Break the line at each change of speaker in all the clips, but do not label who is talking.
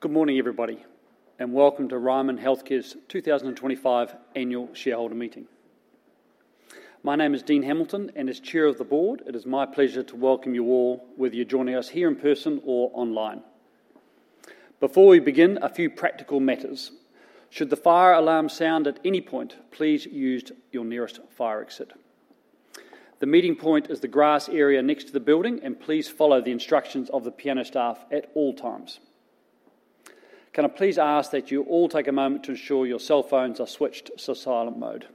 Good morning, everybody, and welcome to Ryman Healthcare's 2025 annual shareholder meeting. My name is Dean Hamilton, and as Chair of the Board, it is my pleasure to welcome you all, whether you're joining us here in person or online. Before we begin, a few practical matters. Should the fire alarm sound at any point, please use your nearest fire exit. The meeting point is the grass area next to the building, and please follow the instructions of the piano staff at all times. Can I please ask that you all take a moment to ensure your cell phones are switched to silent mode?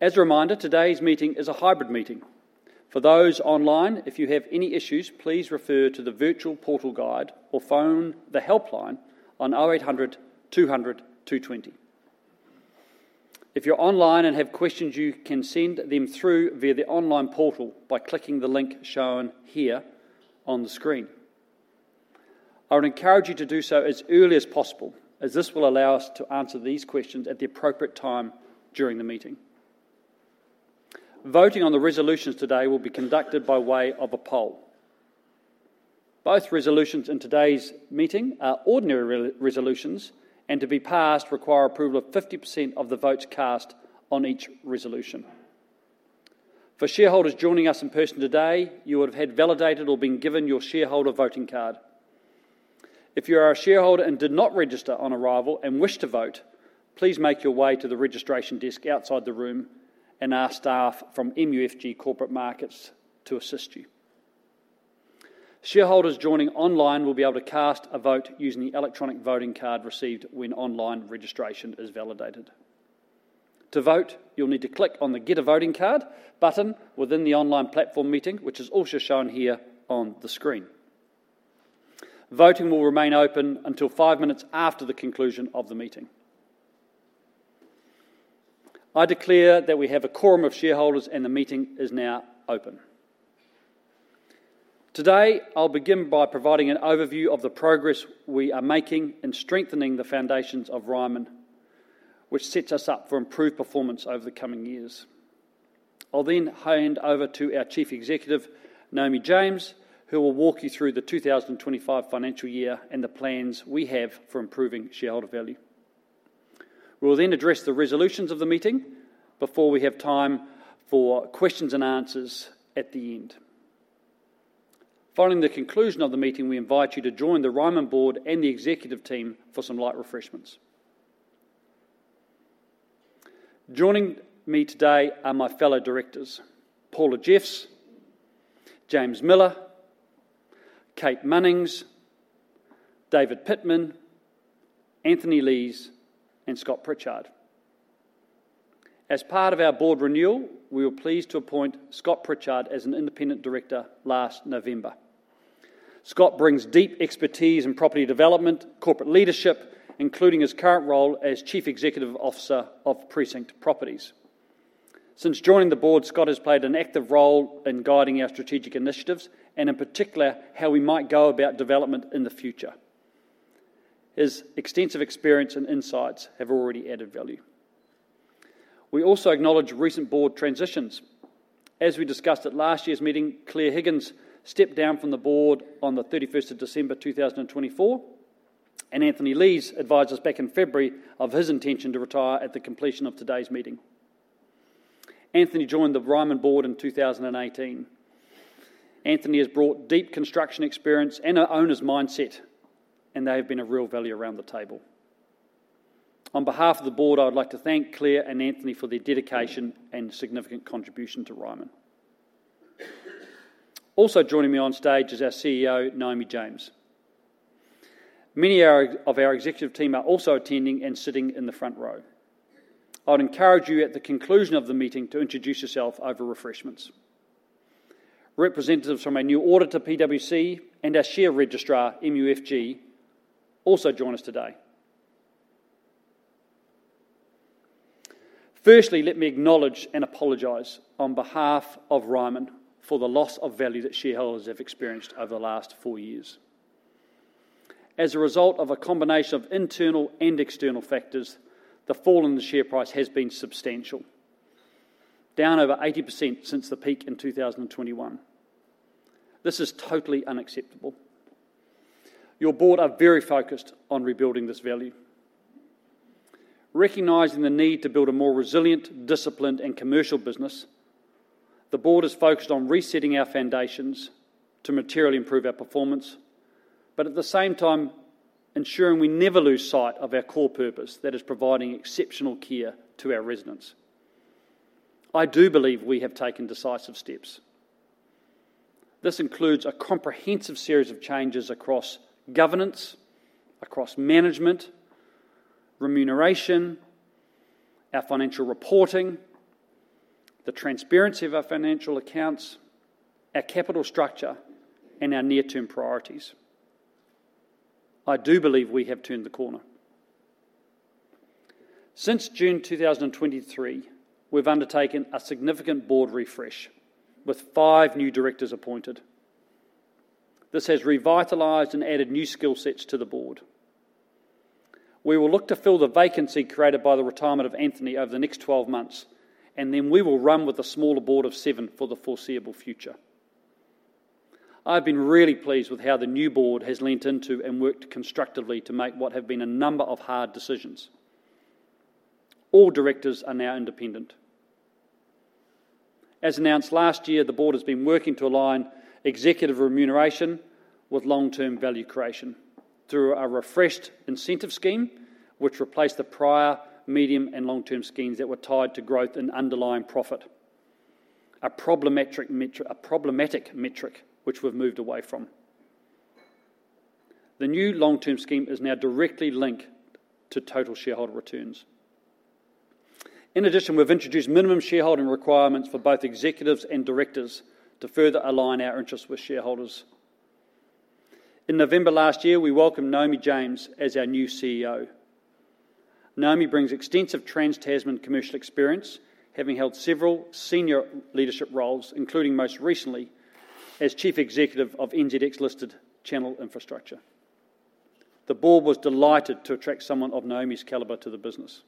As a reminder, today's meeting is a hybrid meeting. For those online, if you have any issues, please refer to the virtual portal guide or phone the helpline on 0800 200 220. If you're online and have questions, you can send them through via the online portal by clicking the link shown here on the screen. I would encourage you to do so as early as possible, as this will allow us to answer these questions at the appropriate time during the meeting. Voting on the resolutions today will be conducted by way of a poll. Both resolutions in today's meeting are ordinary resolutions, and to be passed require approval of 50% of the votes cast on each resolution. For shareholders joining us in person today, you would have had validated or been given your shareholder voting card. If you are a shareholder and did not register on arrival and wish to vote, please make your way to the registration desk outside the room and ask staff from MUFG Corporate Markets to assist you. Shareholders joining online will be able to cast a vote using the electronic voting card received when online registration is validated. To vote, you'll need to click on the "Get a Voting Card" button within the online platform meeting, which is also shown here on the screen. Voting will remain open until five minutes after the conclusion of the meeting. I declare that we have a quorum of shareholders, and the meeting is now open. Today, I'll begin by providing an overview of the progress we are making in strengthening the foundations of Ryman, which sets us up for improved performance over the coming years. I'll then hand over to our Chief Executive, Naomi James, who will walk you through the 2025 financial year and the plans we have for improving shareholder value. We'll then address the resolutions of the meeting before we have time for questions and answers at the end. Following the conclusion of the meeting, we invite you to join the Ryman board and the executive team for some light refreshments. Joining me today are my fellow directors: Paula Jeffs, James Miller, Kate Munnings, David Pitman, Anthony Leighs, and Scott Pritchard. As part of our board renewal, we were pleased to appoint Scott Pritchard as an independent director last November. Scott brings deep expertise in property development, corporate leadership, including his current role as Chief Executive Officer of Precinct Properties. Since joining the board, Scott has played an active role in guiding our strategic initiatives and, in particular, how we might go about development in the future. His extensive experience and insights have already added value. We also acknowledge recent board transitions. As we discussed at last year's meeting, Claire Higgins stepped down from the board on December 31, 2024, and Anthony Leighs advised us back in February of his intention to retire at the completion of today's meeting. Anthony joined the Ryman board in 2018. Anthony has brought deep construction experience and an owner's mindset, and they have been a real value around the table. On behalf of the board, I would like to thank Claire and Anthony for their dedication and significant contribution to Ryman. Also joining me on stage is our CEO, Naomi James. Many of our executive team are also attending and sitting in the front row. I would encourage you, at the conclusion of the meeting, to introduce yourself over refreshments. Representatives from our new auditor, PwC, and our share registrar, MUFG, also join us today. Firstly, let me acknowledge and apologize on behalf of Ryman for the loss of value that shareholders have experienced over the last four years. As a result of a combination of internal and external factors, the fall in the share price has been substantial, down over 80% since the peak in 2021. This is totally unacceptable. Your board are very focused on rebuilding this value. Recognizing the need to build a more resilient, disciplined, and commercial business, the board is focused on resetting our foundations to materially improve our performance, but at the same time, ensuring we never lose sight of our core purpose that is providing exceptional care to our residents. I do believe we have taken decisive steps. This includes a comprehensive series of changes across governance, across management, remuneration, our financial reporting, the transparency of our financial accounts, our capital structure, and our near-term priorities. I do believe we have turned the corner. Since June 2023, we've undertaken a significant board refresh with five new directors appointed. This has revitalized and added new skill sets to the board. We will look to fill the vacancy created by the retirement of Anthony Leighs over the next 12 months, and then we will run with a smaller board of seven for the foreseeable future. I've been really pleased with how the new board has leant into and worked constructively to make what have been a number of hard decisions. All directors are now independent. As announced last year, the board has been working to align executive remuneration with long-term value creation through a refreshed incentive scheme, which replaced the prior medium and long-term schemes that were tied to growth and underlying profit, a problematic metric which we've moved away from. The new long-term scheme is now directly linked to total shareholder returns. In addition, we've introduced minimum shareholding requirements for both executives and directors to further align our interests with shareholders. In November last year, we welcomed Naomi James as our new CEO. Naomi brings extensive Trans-Tasman commercial experience, having held several senior leadership roles, including most recently as Chief Executive of NZX Listed Channel Infrastructure. The board was delighted to attract someone of Naomi's caliber to the business.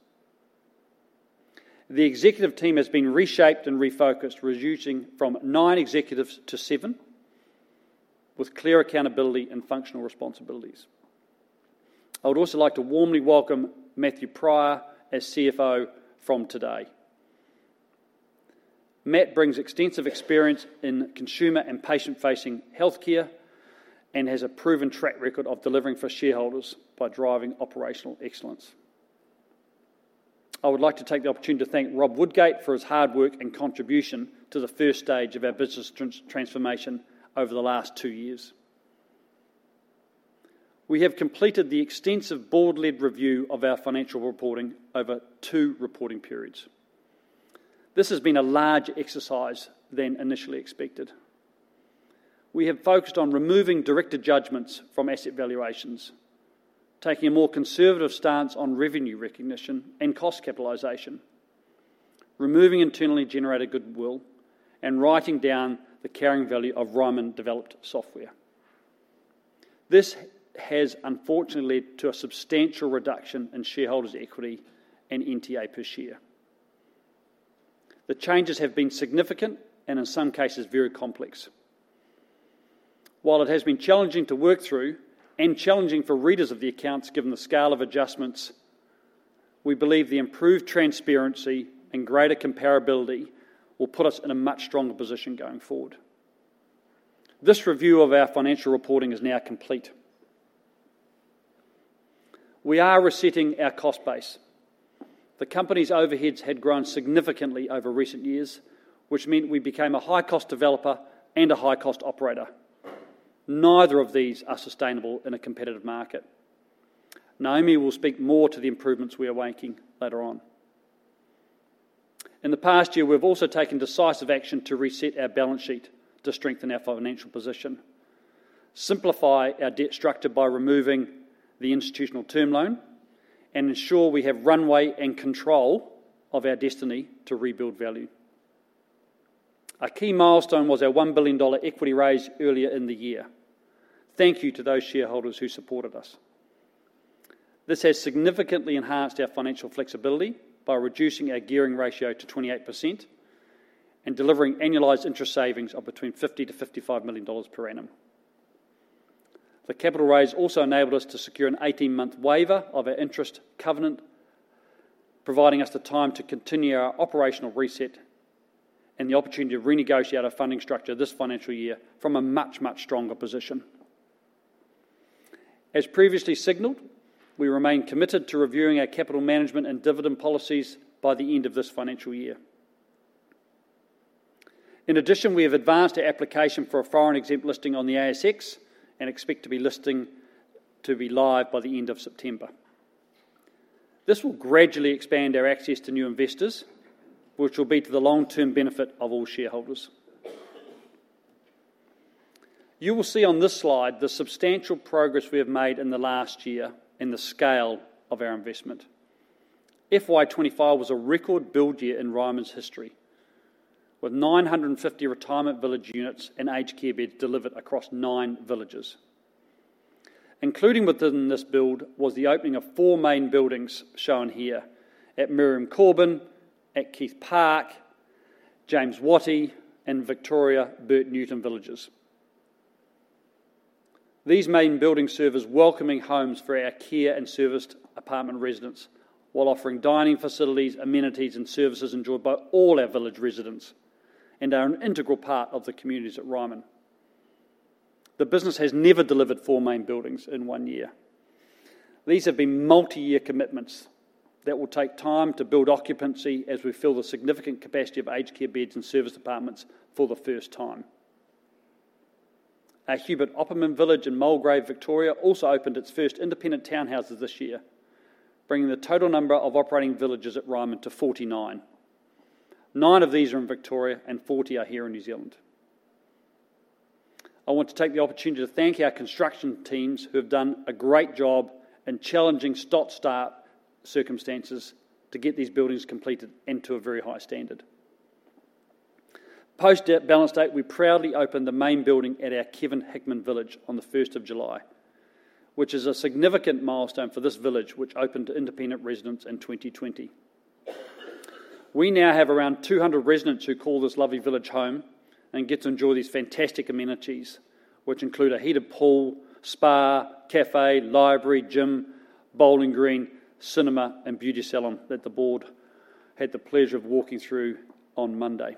The executive team has been reshaped and refocused, reducing from nine executives to seven with clear accountability and functional responsibilities. I would also like to warmly welcome Matthew Prior as CFO from today. Matt brings extensive experience in consumer and patient-facing healthcare and has a proven track record of delivering for shareholders by driving operational excellence. I would like to take the opportunity to thank Rob Woodgate for his hard work and contribution to the first stage of our business transformation over the last two years. We have completed the extensive board-led review of our financial reporting over two reporting periods. This has been a larger exercise than initially expected. We have focused on removing director judgments from asset valuations, taking a more conservative stance on revenue recognition and cost capitalization, removing internally generated goodwill, and writing down the carrying value of Ryman developed software. This has unfortunately led to a substantial reduction in shareholders' equity and NTA per share. The changes have been significant and, in some cases, very complex. While it has been challenging to work through and challenging for readers of the accounts given the scale of adjustments, we believe the improved transparency and greater comparability will put us in a much stronger position going forward. This review of our financial reporting is now complete. We are resetting our cost base. The company's overheads had grown significantly over recent years, which meant we became a high-cost developer and a high-cost operator. Neither of these are sustainable in a competitive market. Naomi will speak more to the improvements we are making later on. In the past year, we've also taken decisive action to reset our balance sheet to strengthen our financial position, simplify our debt structure by removing the institutional term loan, and ensure we have runway and control of our destiny to rebuild value. A key milestone was our NZD $1 billion equity raise earlier in the year. Thank you to those shareholders who supported us. This has significantly enhanced our financial flexibility by reducing our gearing ratio to 28% and delivering annualized interest savings of between 50 million-55 million dollars per annum. The capital raise also enabled us to secure an 18-month waiver of our interest covenant, providing us the time to continue our operational reset and the opportunity to renegotiate our funding structure this financial year from a much, much stronger position. As previously signaled, we remain committed to reviewing our capital management and dividend policies by the end of this financial year. In addition, we have advanced our application for a foreign exempt listing on the ASX and expect the listing to be live by the end of September. This will gradually expand our access to new investors, which will be to the long-term benefit of all shareholders. You will see on this slide the substantial progress we have made in the last year and the scale of our investment. FY 2025 was a record build year in Ryman's history, with 950 retirement village units and aged care beds delivered across nine villages. Included within this build was the opening of four main buildings shown here at Miriam Corban, at Keith Park, James Wattie in Victoria, and Bert Newton villages. These main buildings serve as welcoming homes for our care and serviced apartment residents while offering dining facilities, amenities, and services enjoyed by all our village residents and are an integral part of the communities at Ryman. The business has never delivered four main buildings in one year. These have been multi-year commitments that will take time to build occupancy as we fill the significant capacity of aged care beds and serviced apartments for the first time. Hubert Opperman village in Mulgrave, Victoria also opened its first independent townhouses this year, bringing the total number of operating villages at Ryman to 49. Nine of these are in Victoria and 40 are here in New Zealand. I want to take the opportunity to thank our construction teams who have done a great job in challenging stop-start circumstances to get these buildings completed and to a very high standard. Post balance date, we proudly opened the main building at our Kevin Hickman village on the 1st of July, which is a significant milestone for this village which opened to independent residents in 2020. We now have around 200 residents who call this lovely village home and get to enjoy these fantastic amenities, which include a heated pool, spa, cafe, library, gym, bowling green, cinema, and beauty salon that the board had the pleasure of walking through on Monday.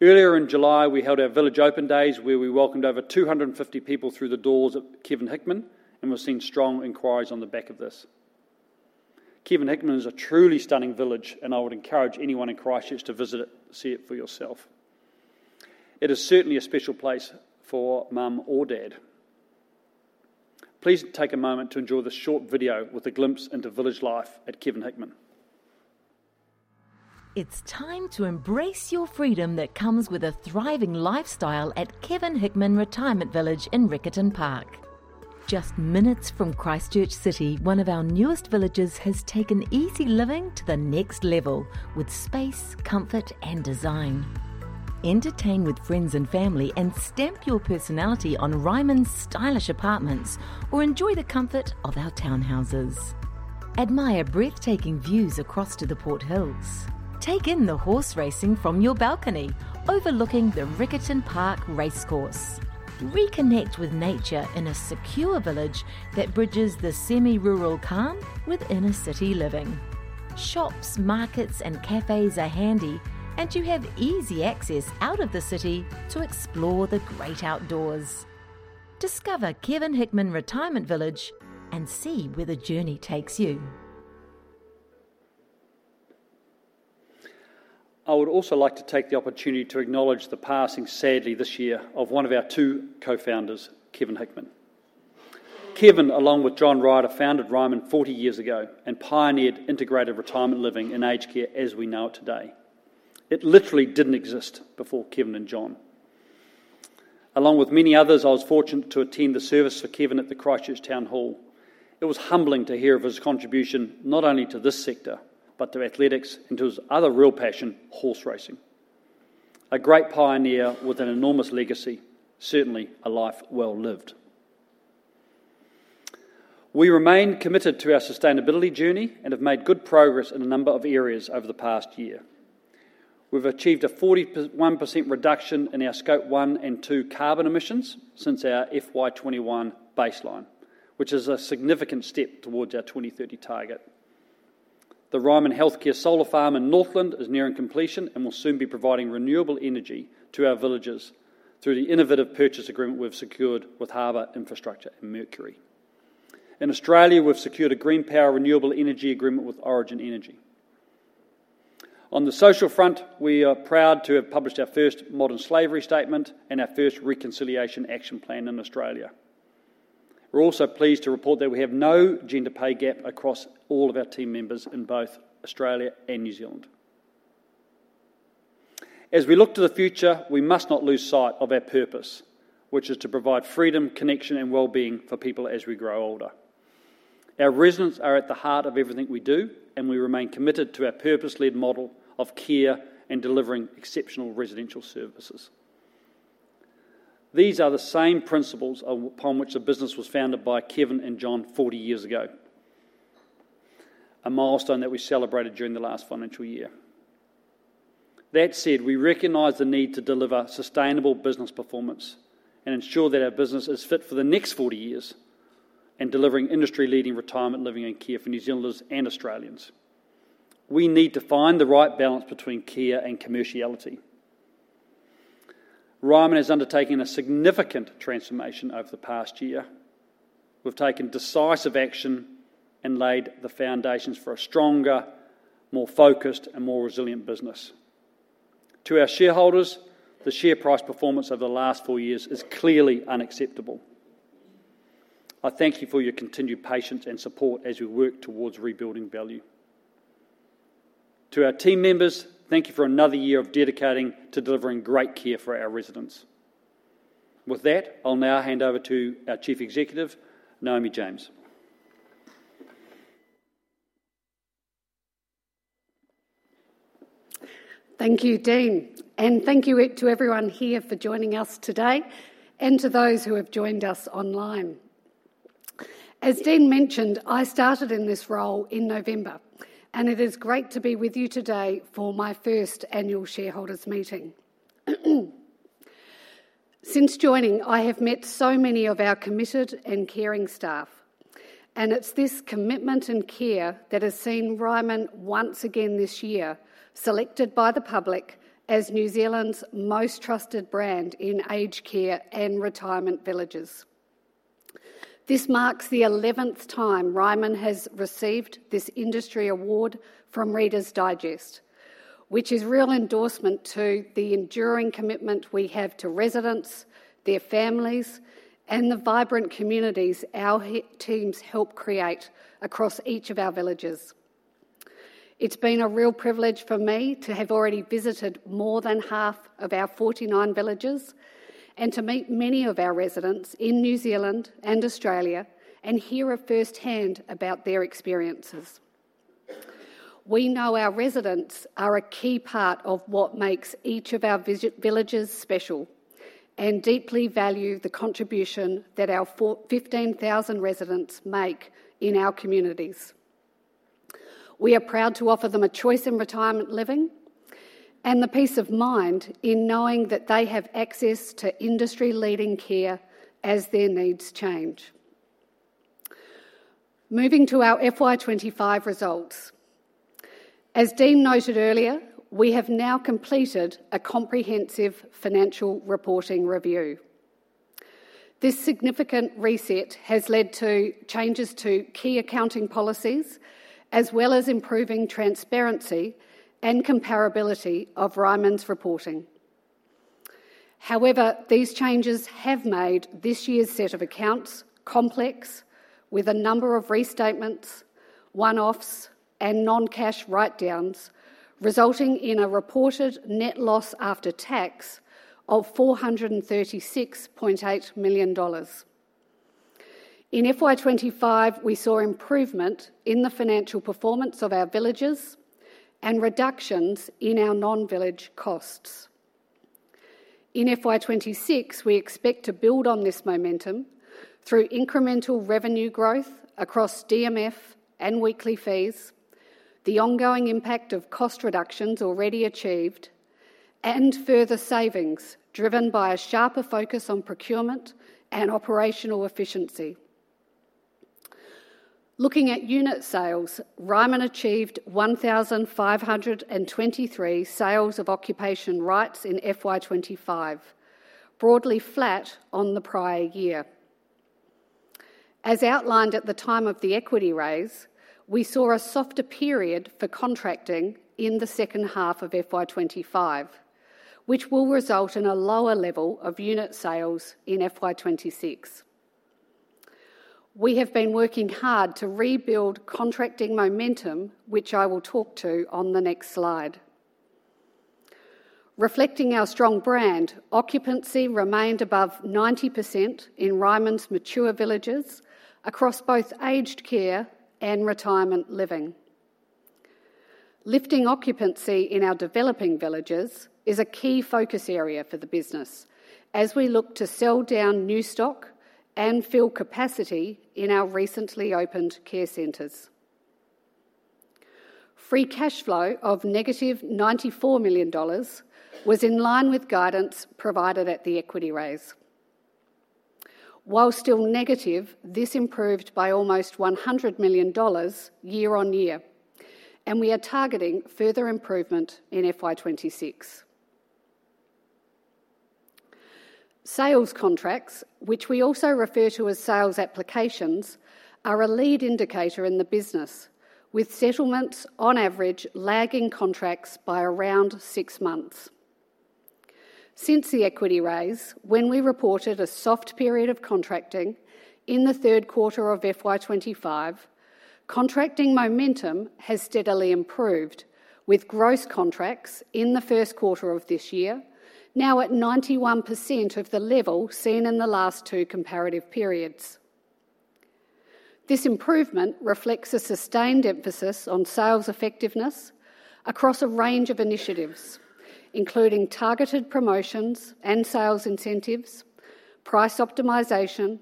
Earlier in July, we held our village open days where we welcomed over 250 people through the doors at Kevin Hickman, and we've seen strong inquiries on the back of this. Kevin Hickman is a truly stunning village, and I would encourage anyone in Christchurch to visit it and see it for yourself. It is certainly a special place for mom or dad. Please take a moment to enjoy the short video with a glimpse into village life at Kevin Hickman.
It's time to embrace your freedom that comes with a thriving lifestyle at Kevin Hickman Retirement Village in Riccarton Park. Just minutes from Christchurch City, one of our newest villages has taken easy living to the next level with space, comfort, and design. Entertain with friends and family and stamp your personality on Ryman's stylish apartments or enjoy the comfort of our townhouses. Admire breathtaking views across to the Port Hills. Take in the horse racing from your balcony overlooking the Riccarton Park racecourse. Reconnect with nature in a secure village that bridges the semi-rural calm with inner-city living. Shops, markets, and cafes are handy, and you have easy access out of the city to explore the great outdoors. Discover Kevin Hickman Retirement Village and see where the journey takes you.
I would also like to take the opportunity to acknowledge the passing, sadly, this year of one of our two co-founders, Kevin Hickman. Kevin, along with John Ryder, founded Ryman 40 years ago and pioneered integrated retirement living and aged care as we know it today. It literally didn't exist before Kevin and John. Along with many others, I was fortunate to attend the service for Kevin at the Christchurch Town Hall. It was humbling to hear of his contribution not only to this sector but to athletics and to his other real passion, horse racing. A great pioneer with an enormous legacy, certainly a life well lived. We remain committed to our sustainability journey and have made good progress in a number of areas over the past year. We've achieved a 41% reduction in our Scope 1 and 2 carbon emissions since our FY 2021 baseline, which is a significant step towards our 2030 target. The Ryman Healthcare Solar Farm in Northland is nearing completion and will soon be providing renewable energy to our villages through the innovative purchase agreement we've secured with Harbour Infrastructure and Mercury. In Australia, we've secured a green power renewable energy agreement with Origin Energy. On the social front, we are proud to have published our first modern slavery statement and our first reconciliation action plan in Australia. We're also pleased to report that we have no gender pay gap across all of our team members in both Australia and New Zealand. As we look to the future, we must not lose sight of our purpose, which is to provide freedom, connection, and wellbeing for people as we grow older. Our residents are at the heart of everything we do, and we remain committed to our purpose-led model of care and delivering exceptional residential services. These are the same principles upon which the business was founded by Kevin and John 40 years ago, a milestone that we celebrated during the last financial year. That said, we recognize the need to deliver sustainable business performance and ensure that our business is fit for the next 40 years in delivering industry-leading retirement living and care for New Zealanders and Australians. We need to find the right balance between care and commerciality. Ryman has undertaken a significant transformation over the past year. We've taken decisive action and laid the foundations for a stronger, more focused, and more resilient business. To our shareholders, the share price performance over the last four years is clearly unacceptable. I thank you for your continued patience and support as we work towards rebuilding value. To our team members, thank you for another year of dedicating to delivering great care for our residents. With that, I'll now hand over to our Chief Executive, Naomi James.
Thank you, Dean, and thank you to everyone here for joining us today and to those who have joined us online. As Dean mentioned, I started in this role in November, and it is great to be with you today for my first annual shareholders' meeting. Since joining, I have met so many of our committed and caring staff, and it's this commitment and care that has seen Ryman once again this year selected by the public as New Zealand's most trusted brand in aged care and retirement villages. This marks the 11th time Ryman has received this industry award from Reader's Digest, which is a real endorsement to the enduring commitment we have to residents, their families, and the vibrant communities our teams help create across each of our villages. It's been a real privilege for me to have already visited more than half of our 49 villages and to meet many of our residents in New Zealand and Australia and hear firsthand about their experiences. We know our residents are a key part of what makes each of our villages special and deeply value the contribution that our 15,000 residents make in our communities. We are proud to offer them a choice in retirement living and the peace of mind in knowing that they have access to industry-leading care as their needs change. Moving to our FY 2025 results, as Dean noted earlier, we have now completed a comprehensive financial reporting review. This significant reset has led to changes to key accounting policies, as well as improving transparency and comparability of Ryman's reporting. However, these changes have made this year's set of accounts complex, with a number of restatements, one-offs, and non-cash write-downs resulting in a reported net loss after tax of 436.8 million dollars. In FY 2025, we saw improvement in the financial performance of our villages and reductions in our non-village costs. In FY 2026, we expect to build on this momentum through incremental revenue growth across DMF and weekly fees, the ongoing impact of cost reductions already achieved, and further savings driven by a sharper focus on procurement and operational efficiency. Looking at unit sales, Ryman achieved 1,523 sales of occupation rights in FY 2025, broadly flat on the prior year. As outlined at the time of the equity raise, we saw a softer period for contracting in the second half of FY 2025, which will result in a lower level of unit sales in FY 2026. We have been working hard to rebuild contracting momentum, which I will talk to on the next slide. Reflecting our strong brand, occupancy remained above 90% in Ryman's mature villages across both aged care and retirement living. Lifting occupancy in our developing villages is a key focus area for the business as we look to sell down new stock and fill capacity in our recently opened care centers. Free cash flow of -94 million dollars was in line with guidance provided at the equity raise. While still negative, this improved by almost 100 million dollars year on year, and we are targeting further improvement in FY 2026. Sales contracts, which we also refer to as sales applications, are a lead indicator in the business, with settlements on average lagging contracts by around six months. Since the equity raise, when we reported a soft period of contracting in the third quarter of FY 2025, contracting momentum has steadily improved, with gross contracts in the first quarter of this year now at 91% of the level seen in the last two comparative periods. This improvement reflects a sustained emphasis on sales effectiveness across a range of initiatives, including targeted promotions and sales incentives, price optimization,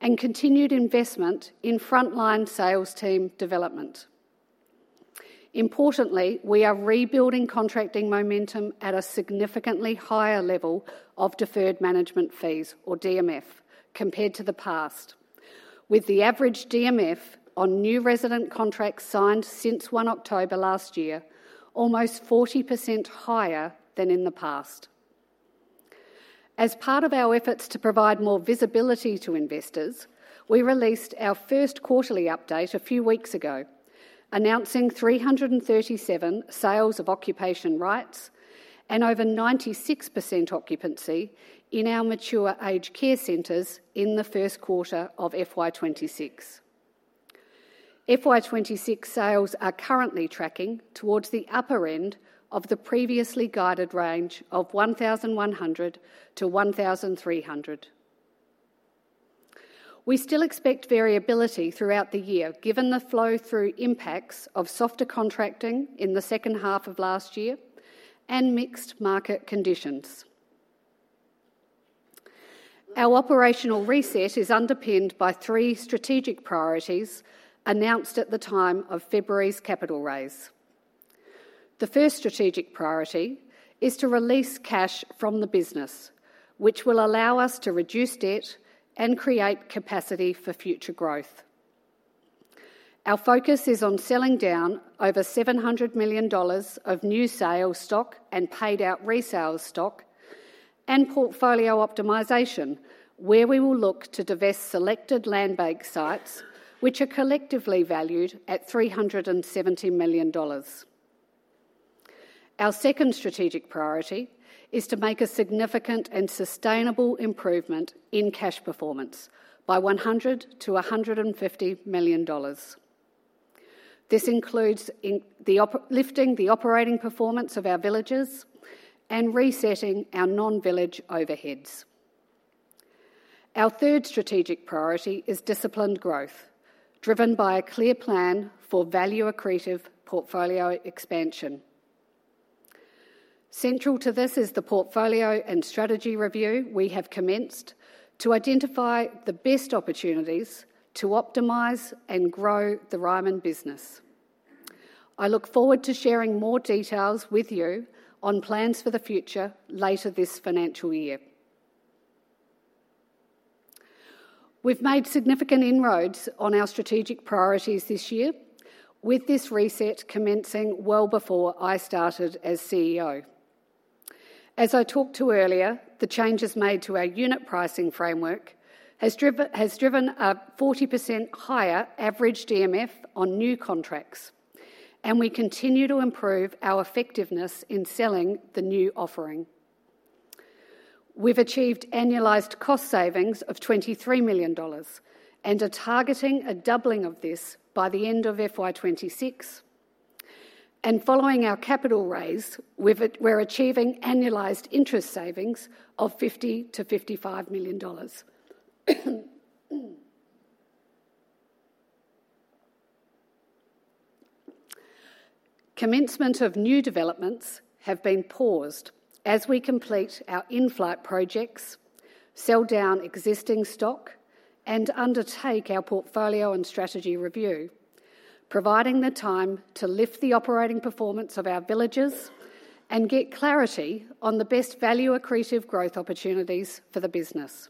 and continued investment in frontline sales team development. Importantly, we are rebuilding contracting momentum at a significantly higher level of deferred management fees, or DMF, compared to the past, with the average DMF on new resident contracts signed since 1 October last year almost 40% higher than in the past. As part of our efforts to provide more visibility to investors, we released our first quarterly update a few weeks ago, announcing 337 sales of occupation rights and over 96% occupancy in our mature aged care centers in the first quarter of FY 2026. FY 2026 sales are currently tracking towards the upper end of the previously guided range of 1,100-1,300. We still expect variability throughout the year given the flow-through impacts of softer contracting in the second half of last year and mixed market conditions. Our operational reset is underpinned by three strategic priorities announced at the time of February's capital raise. The first strategic priority is to release cash from the business, which will allow us to reduce debt and create capacity for future growth. Our focus is on selling down over 700 million dollars of new sales stock and paid-out resale stock and portfolio optimization, where we will look to divest selected land bank sites, which are collectively valued at 370 million dollars. Our second strategic priority is to make a significant and sustainable improvement in cash performance by 100 million- 150 million dollars. This includes lifting the operating performance of our villages and resetting our non-village overheads. Our third strategic priority is disciplined growth, driven by a clear plan for value-accretive portfolio expansion. Central to this is the portfolio and strategy review we have commenced to identify the best opportunities to optimize and grow the Ryman business. I look forward to sharing more details with you on plans for the future later this financial year. We've made significant inroads on our strategic priorities this year, with this reset commencing well before I started as CEO. As I talked to earlier, the changes made to our unit pricing framework have driven a 40% higher average DMF on new contracts, and we continue to improve our effectiveness in selling the new offering. We've achieved annualized cost savings of NZD 23 million and are targeting a doubling of this by the end of FY 2026. Following our capital raise, we're achieving annualized interest savings of NZD 50 million-NZD 55 million. Commencement of new developments has been paused as we complete our in-flight projects, sell down existing stock, and undertake our portfolio and strategy review, providing the time to lift the operating performance of our villages and get clarity on the best value-accretive growth opportunities for the business.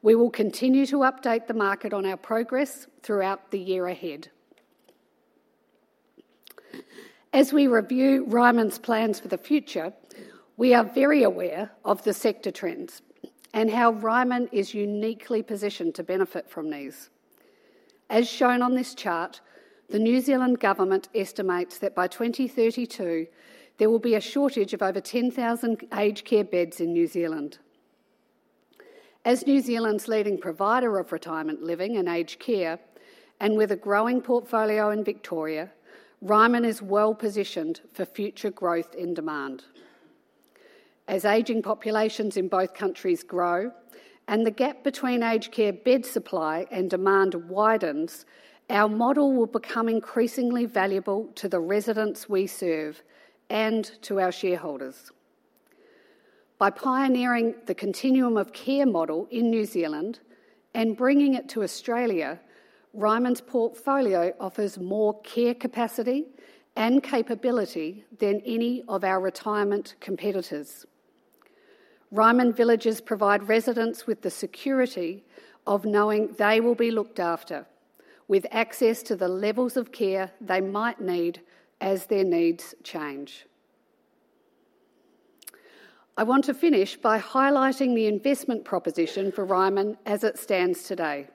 We will continue to update the market on our progress throughout the year ahead. As we review Ryman's plans for the future, we are very aware of the sector trends and how Ryman is uniquely positioned to benefit from these. As shown on this chart, the New Zealand government estimates that by 2032, there will be a shortage of over 10,000 aged care beds in New Zealand. As New Zealand's leading provider of retirement living and aged care, and with a growing portfolio in Victoria, Ryman is well positioned for future growth in demand. As aging populations in both countries grow and the gap between aged care bed supply and demand widens, our model will become increasingly valuable to the residents we serve and to our shareholders. By pioneering the continuum of care model in New Zealand and bringing it to Australia, Ryman's portfolio offers more care capacity and capability than any of our retirement competitors. Ryman villages provide residents with the security of knowing they will be looked after, with access to the levels of care they might need as their needs change. I want to finish by highlighting the investment proposition for Ryman as it stands today.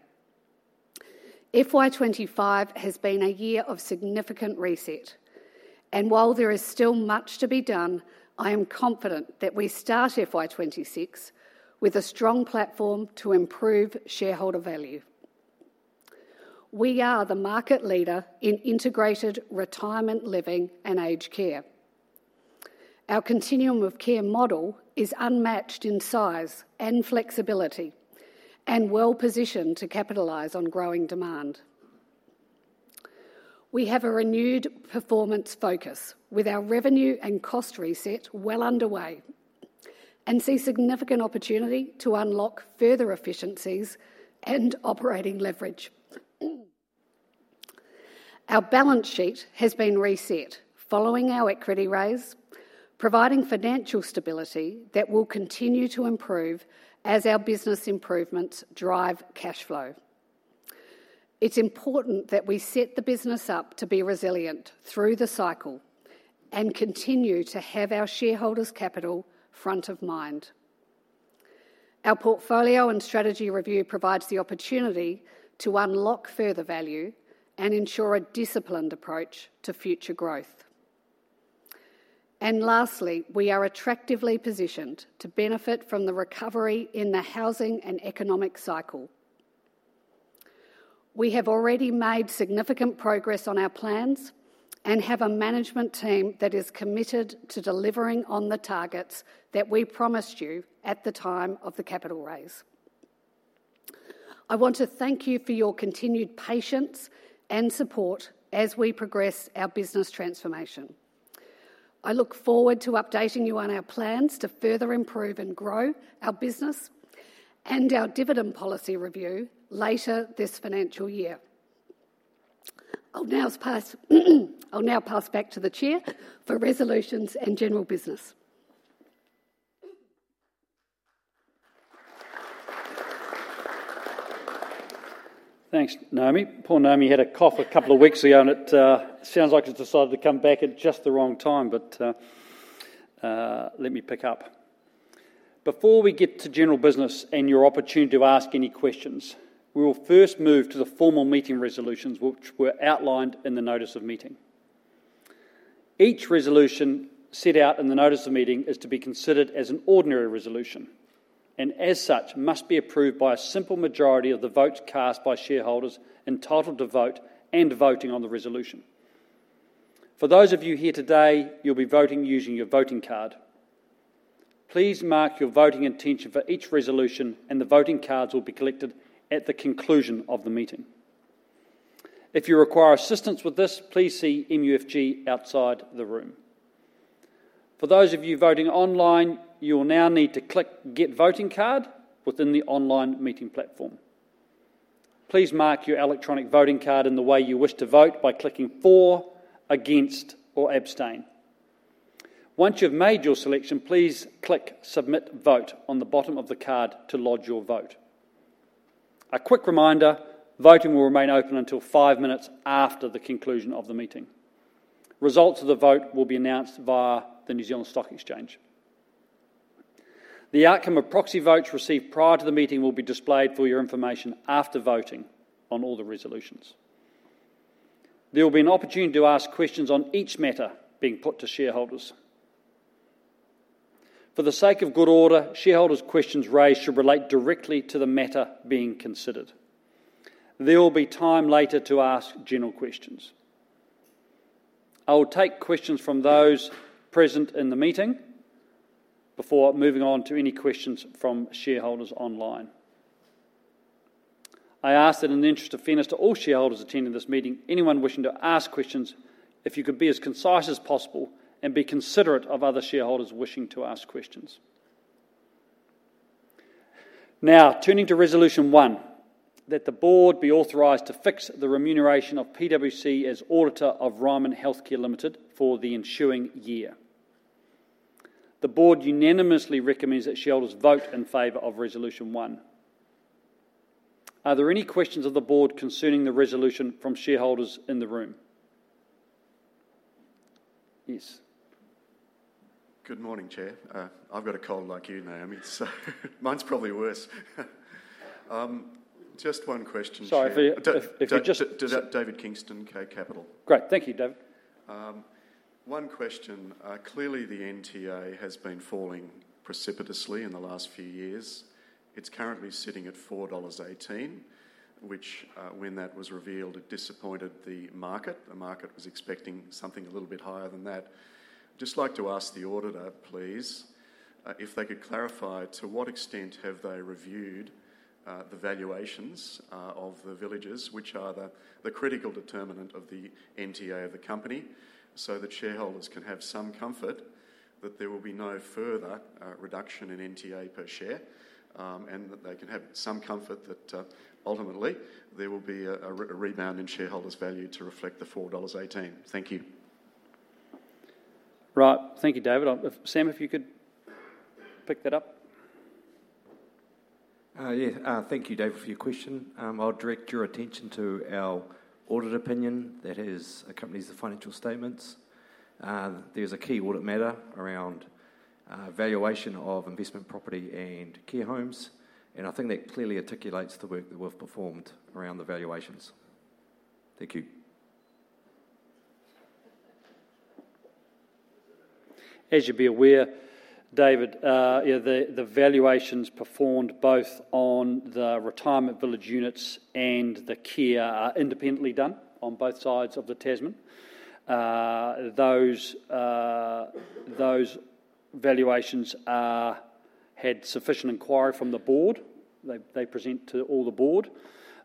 FY 2025 has been a year of significant reset, and while there is still much to be done, I am confident that we start FY 2026 with a strong platform to improve shareholder value. We are the market leader in integrated retirement living and aged care. Our continuum of care model is unmatched in size and flexibility and well positioned to capitalize on growing demand. We have a renewed performance focus with our revenue and cost reset well underway and see significant opportunity to unlock further efficiencies and operating leverage. Our balance sheet has been reset following our equity raise, providing financial stability that will continue to improve as our business improvements drive cash flow. It's important that we set the business up to be resilient through the cycle and continue to have our shareholders' capital front of mind. Our portfolio and strategy review provides the opportunity to unlock further value and ensure a disciplined approach to future growth. We are attractively positioned to benefit from the recovery in the housing and economic cycle. We have already made significant progress on our plans and have a management team that is committed to delivering on the targets that we promised you at the time of the capital raise. I want to thank you for your continued patience and support as we progress our business transformation. I look forward to updating you on our plans to further improve and grow our business and our dividend policy review later this financial year. I'll now pass back to the Chair for resolutions and general business.
Thanks, Naomi. Poor Naomi had a cough a couple of weeks ago, and it sounds like it's decided to come back at just the wrong time, but let me pick up. Before we get to general business and your opportunity to ask any questions, we will first move to the formal meeting resolutions, which were outlined in the notice of meeting. Each resolution set out in the notice of meeting is to be considered as an ordinary resolution and, as such, must be approved by a simple majority of the votes cast by shareholders entitled to vote and voting on the resolution. For those of you here today, you'll be voting using your voting card. Please mark your voting intention for each resolution, and the voting cards will be collected at the conclusion of the meeting. If you require assistance with this, please see MUFG outside the room. For those of you voting online, you will now need to click "Get Voting Card" within the online meeting platform. Please mark your electronic voting card in the way you wish to vote by clicking "For," "Against," or "Abstain." Once you've made your selection, please click "Submit Vote" on the bottom of the card to lodge your vote. A quick reminder, voting will remain open until five minutes after the conclusion of the meeting. Results of the vote will be announced via the New Zealand Stock Exchange. The outcome of proxy votes received prior to the meeting will be displayed for your information after voting on all the resolutions. There will be an opportunity to ask questions on each matter being put to shareholders. For the sake of good order, shareholders' questions raised should relate directly to the matter being considered. There will be time later to ask general questions. I will take questions from those present in the meeting before moving on to any questions from shareholders online. I ask that in the interest of fairness to all shareholders attending this meeting, anyone wishing to ask questions, if you could be as concise as possible and be considerate of other shareholders wishing to ask questions. Now, turning to resolution one, that the board be authorized to fix the remuneration of PwC as auditor of Ryman Healthcare Limited for the ensuing year. The board unanimously recommends that shareholders vote in favor of resolution one. Are there any questions of the board concerning the resolution from shareholders in the room? Yes.
Good morning, Chair. I've got a cold like you, Naomi, so mine's probably worse. Just one question.
Sorry for you.
If you're just. Is that David King, K-Capital?
Great. Thank you, David.
One question. Clearly, the NTA has been falling precipitously in the last few years. It's currently sitting at 4.18 dollars, which, when that was revealed, disappointed the market. The market was expecting something a little bit higher than that. I'd just like to ask the auditor, please, if they could clarify to what extent have they reviewed the valuations of the villages, which are the critical determinant of the NTA of the company, so that shareholders can have some comfort that there will be no further reduction in NTA per share, and that they can have some comfort that ultimately there will be a rebound in shareholder value to reflect the 4.18 dollars. Thank you.
Right. Thank you, David. Sam, if you could pick that up.
Thank you, David, for your question. I'll direct your attention to our audit opinion that accompanies the financial statements. There's a key audit matter around valuation of investment property and care homes, and I think that clearly articulates the work that we've performed around the valuations. Thank you.
As you'd be aware, David, the valuations performed both on the retirement village units and the care are independently done on both sides of the Tasman. Those valuations had sufficient inquiry from the board. They present to all the board.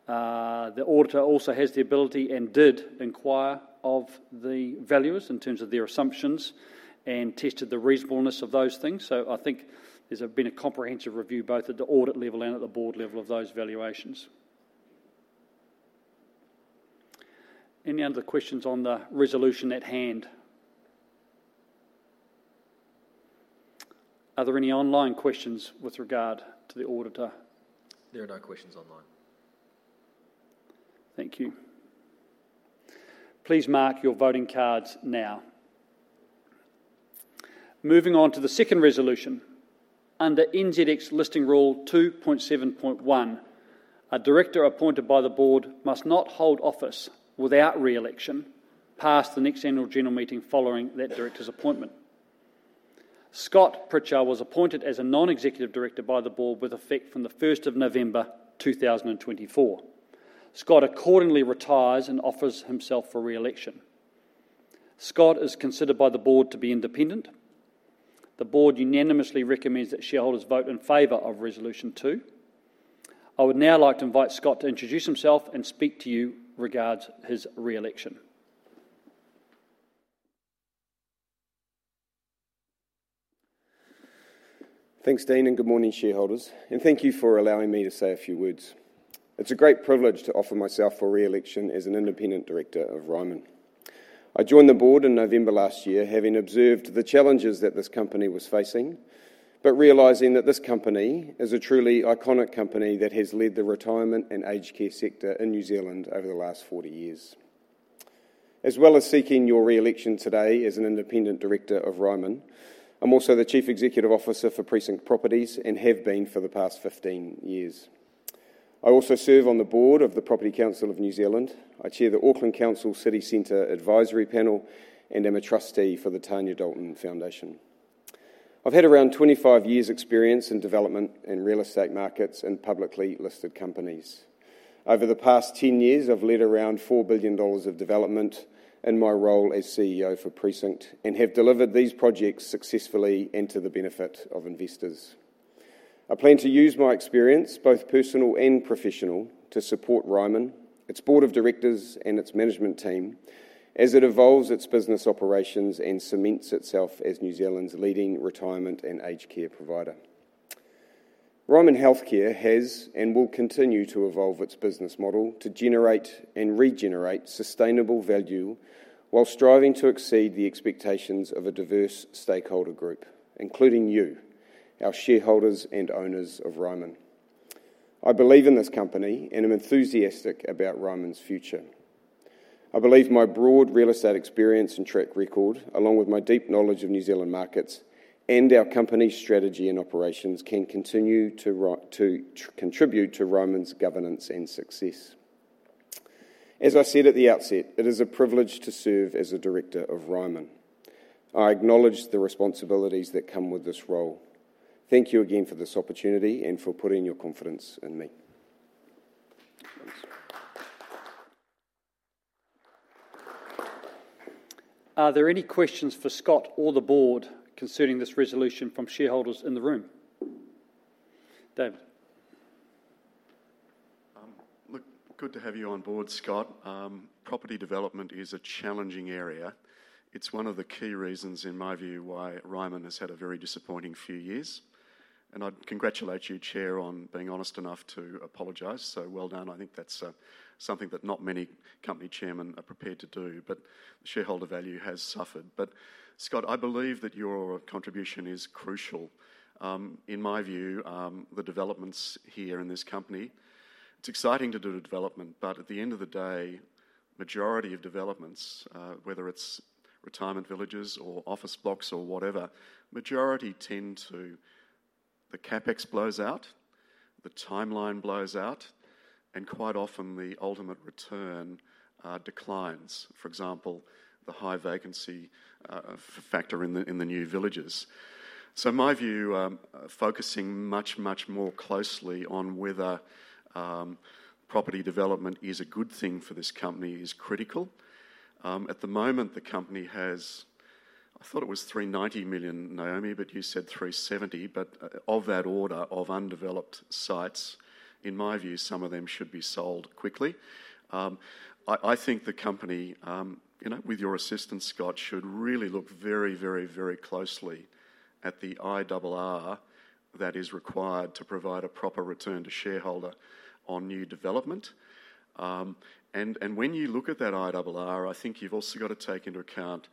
The auditor also has the ability and did inquire of the valuers in terms of their assumptions and tested the reasonableness of those things. I think there's been a comprehensive review both at the audit level and at the board level of those valuations. Any other questions on the resolution at hand? Are there any online questions with regard to the auditor?
There are no questions online.
Thank you. Please mark your voting cards now. Moving on to the second resolution. Under NZX Listing Rule 2.7.1, a director appointed by the board must not hold office without reelection past the next annual general meeting following that director's appointment. Scott Pritchard was appointed as a Non-Executive Director by the board with effect from the 1st of November 2024. Scott accordingly retires and offers himself for reelection. Scott is considered by the board to be independent. The board unanimously recommends that shareholders vote in favor of resolution two. I would now like to invite Scott to introduce himself and speak to you regarding his reelection.
Thanks, Dean, and good morning, shareholders, and thank you for allowing me to say a few words. It's a great privilege to offer myself for reelection as an independent director of Ryman. I joined the board in November last year, having observed the challenges that this company was facing, but realizing that this company is a truly iconic company that has led the retirement and aged care sector in New Zealand over the last 40 years. As well as seeking your reelection today as an independent director of Ryman, I'm also the Chief Executive Officer for Precinct Properties and have been for the past 15 years. I also serve on the board of the Property Council of New Zealand. I chair the Auckland Council City Centre Advisory Panel and am a trustee for the Tanya Dalton Foundation. I've had around 25 years' experience in development and real estate markets and publicly listed companies. Over the past 10 years, I've led around 4 billion dollars of development in my role as CEO for Precinct and have delivered these projects successfully and to the benefit of investors. I plan to use my experience, both personal and professional, to support Ryman, its board of directors, and its management team as it evolves its business operations and cements itself as New Zealand's leading retirement and aged care provider. Ryman Healthcare has and will continue to evolve its business model to generate and regenerate sustainable value while striving to exceed the expectations of a diverse stakeholder group, including you, our shareholders and owners of Ryman. I believe in this company and am enthusiastic about Ryman's future. I believe my broad real estate experience and track record, along with my deep knowledge of New Zealand markets and our company's strategy and operations, can continue to contribute to Ryman's governance and success. As I said at the outset, it is a privilege to serve as a director of Ryman. I acknowledge the responsibilities that come with this role. Thank you again for this opportunity and for putting your confidence in me.
Are there any questions for Scott or the Board concerning this resolution from shareholders in the room? David.
Look, good to have you on board, Scott. Property development is a challenging area. It's one of the key reasons, in my view, why Ryman Healthcare has had a very disappointing few years. I congratulate you, Chair, on being honest enough to apologize. So well done. I think that's something that not many company chairmen are prepared to do, but the shareholder value has suffered. Scott, I believe that your contribution is crucial. In my view, the developments here in this company, it's exciting to do the development, but at the end of the day, the majority of developments, whether it's retirement villages or office blocks or whatever, the majority tend to, the CapEx blows out, the timeline blows out, and quite often the ultimate return declines. For example, the high vacancy factor in the new villages. My view is that focusing much, much more closely on whether property development is a good thing for this company is critical. At the moment, the company has, I thought it was 390 million, Naomi, but you said 370 million, but of that order of undeveloped sites. In my view, some of them should be sold quickly. I think the company, with your assistance, Scott, should really look very, very, very closely at the IRR that is required to provide a proper return to shareholder on new development. When you look at that IRR, I think you've also got to take into account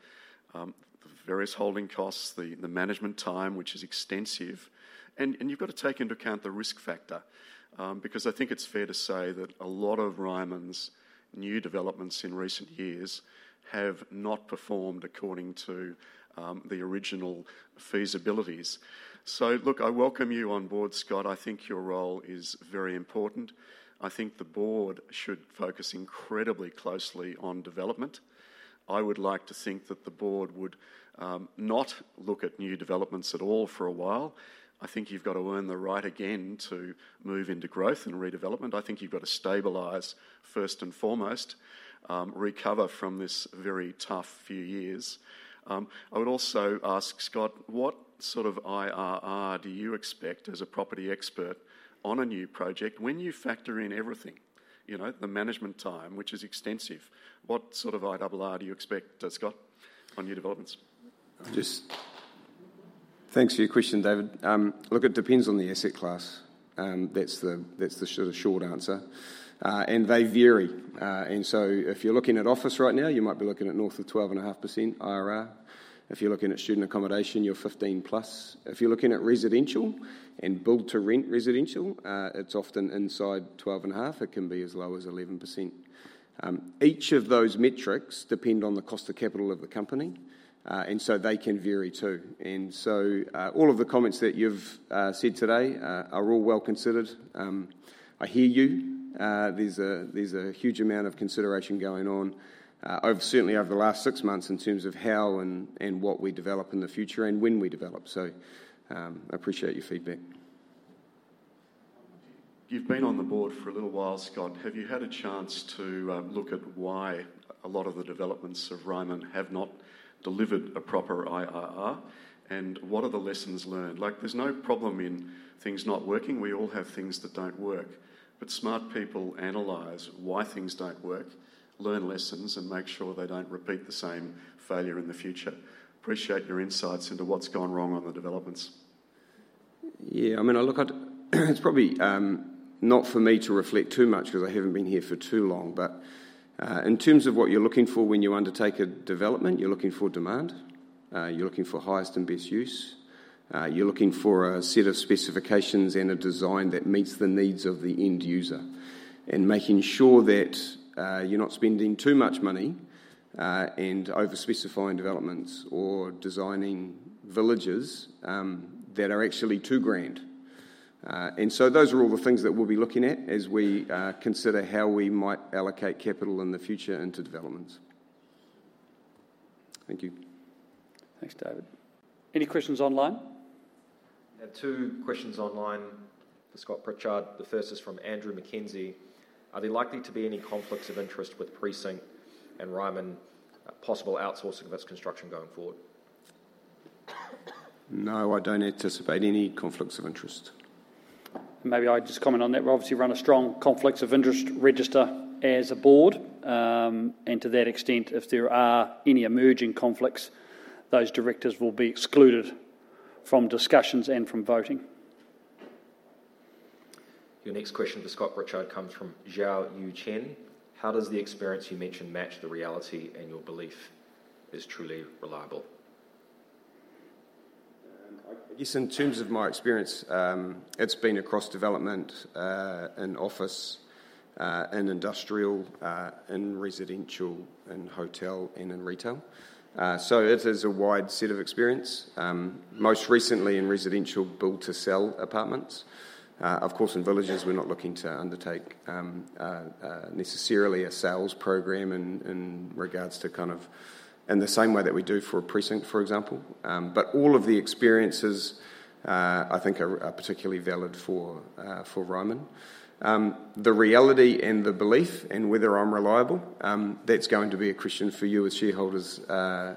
the various holding costs, the management time, which is extensive, and you've got to take into account the risk factor because I think it's fair to say that a lot of Ryman Healthcare's new developments in recent years have not performed according to the original feasibilities. I welcome you on board, Scott. I think your role is very important. I think the board should focus incredibly closely on development. I would like to think that the board would not look at new developments at all for a while. I think you've got to earn the right again to move into growth and redevelopment. I think you've got to stabilize, first and foremost, recover from this very tough few years. I would also ask, Scott, what sort of IRR do you expect as a property expert on a new project when you factor in everything? The management time, which is extensive. What sort of IRR do you expect, Scott, on new developments?
Thanks for your question, David. Look, it depends on the asset class. That's the sort of short answer. They vary. If you're looking at office right now, you might be looking at north of 12.5% IRR. If you're looking at student accommodation, you're 15%+. If you're looking at residential and build-to-rent residential, it's often inside 12.5%. It can be as low as 11%. Each of those metrics depends on the cost of capital of the company, and they can vary too. All of the comments that you've said today are all well considered. I hear you. There's a huge amount of consideration going on, certainly over the last six months in terms of how and what we develop in the future and when we develop. I appreciate your feedback.
You've been on the board for a little while, Scott. Have you had a chance to look at why a lot of the developments of Ryman Healthcare have not delivered a proper IRR? What are the lessons learned? There's no problem in things not working. We all have things that don't work. Smart people analyze why things don't work, learn lessons, and make sure they don't repeat the same failure in the future. Appreciate your insights into what's gone wrong on the developments.
Yeah, I mean, I look at it’s probably not for me to reflect too much because I haven’t been here for too long. In terms of what you’re looking for when you undertake a development, you’re looking for demand, you’re looking for highest and best use, you’re looking for a set of specifications and a design that meets the needs of the end user, and making sure that you’re not spending too much money and overspecifying developments or designing villages that are actually too grand. Those are all the things that we’ll be looking at as we consider how we might allocate capital in the future into developments.
Thank you.
Thanks, David. Any questions online?
I had two questions online for Scott Pritchard. The first is from Andrew McKenzie. Are there likely to be any conflicts of interest with Precinct and Ryman, possible outsourcing of its construction going forward?
No, I don't anticipate any conflicts of interest.
Maybe I'd just comment on that. We obviously run a strong conflicts of interest register as a Board. To that extent, if there are any emerging conflicts, those directors will be excluded from discussions and from voting.
Your next question for Scott Pritchard comes from Zhao Yu Chen. How does the experience you mention match the reality and your belief as truly reliable?
In terms of my experience, it's been across development, in office, in industrial, in residential, in hotel, and in retail. It's a wide set of experience. Most recently in residential build-to-sell apartments. Of course, in villages, we're not looking to undertake necessarily a sales program in regards to kind of in the same way that we do for a precinct, for example. All of the experiences I think are particularly valid for Ryman. The reality and the belief and whether I'm reliable, that's going to be a question for you as shareholders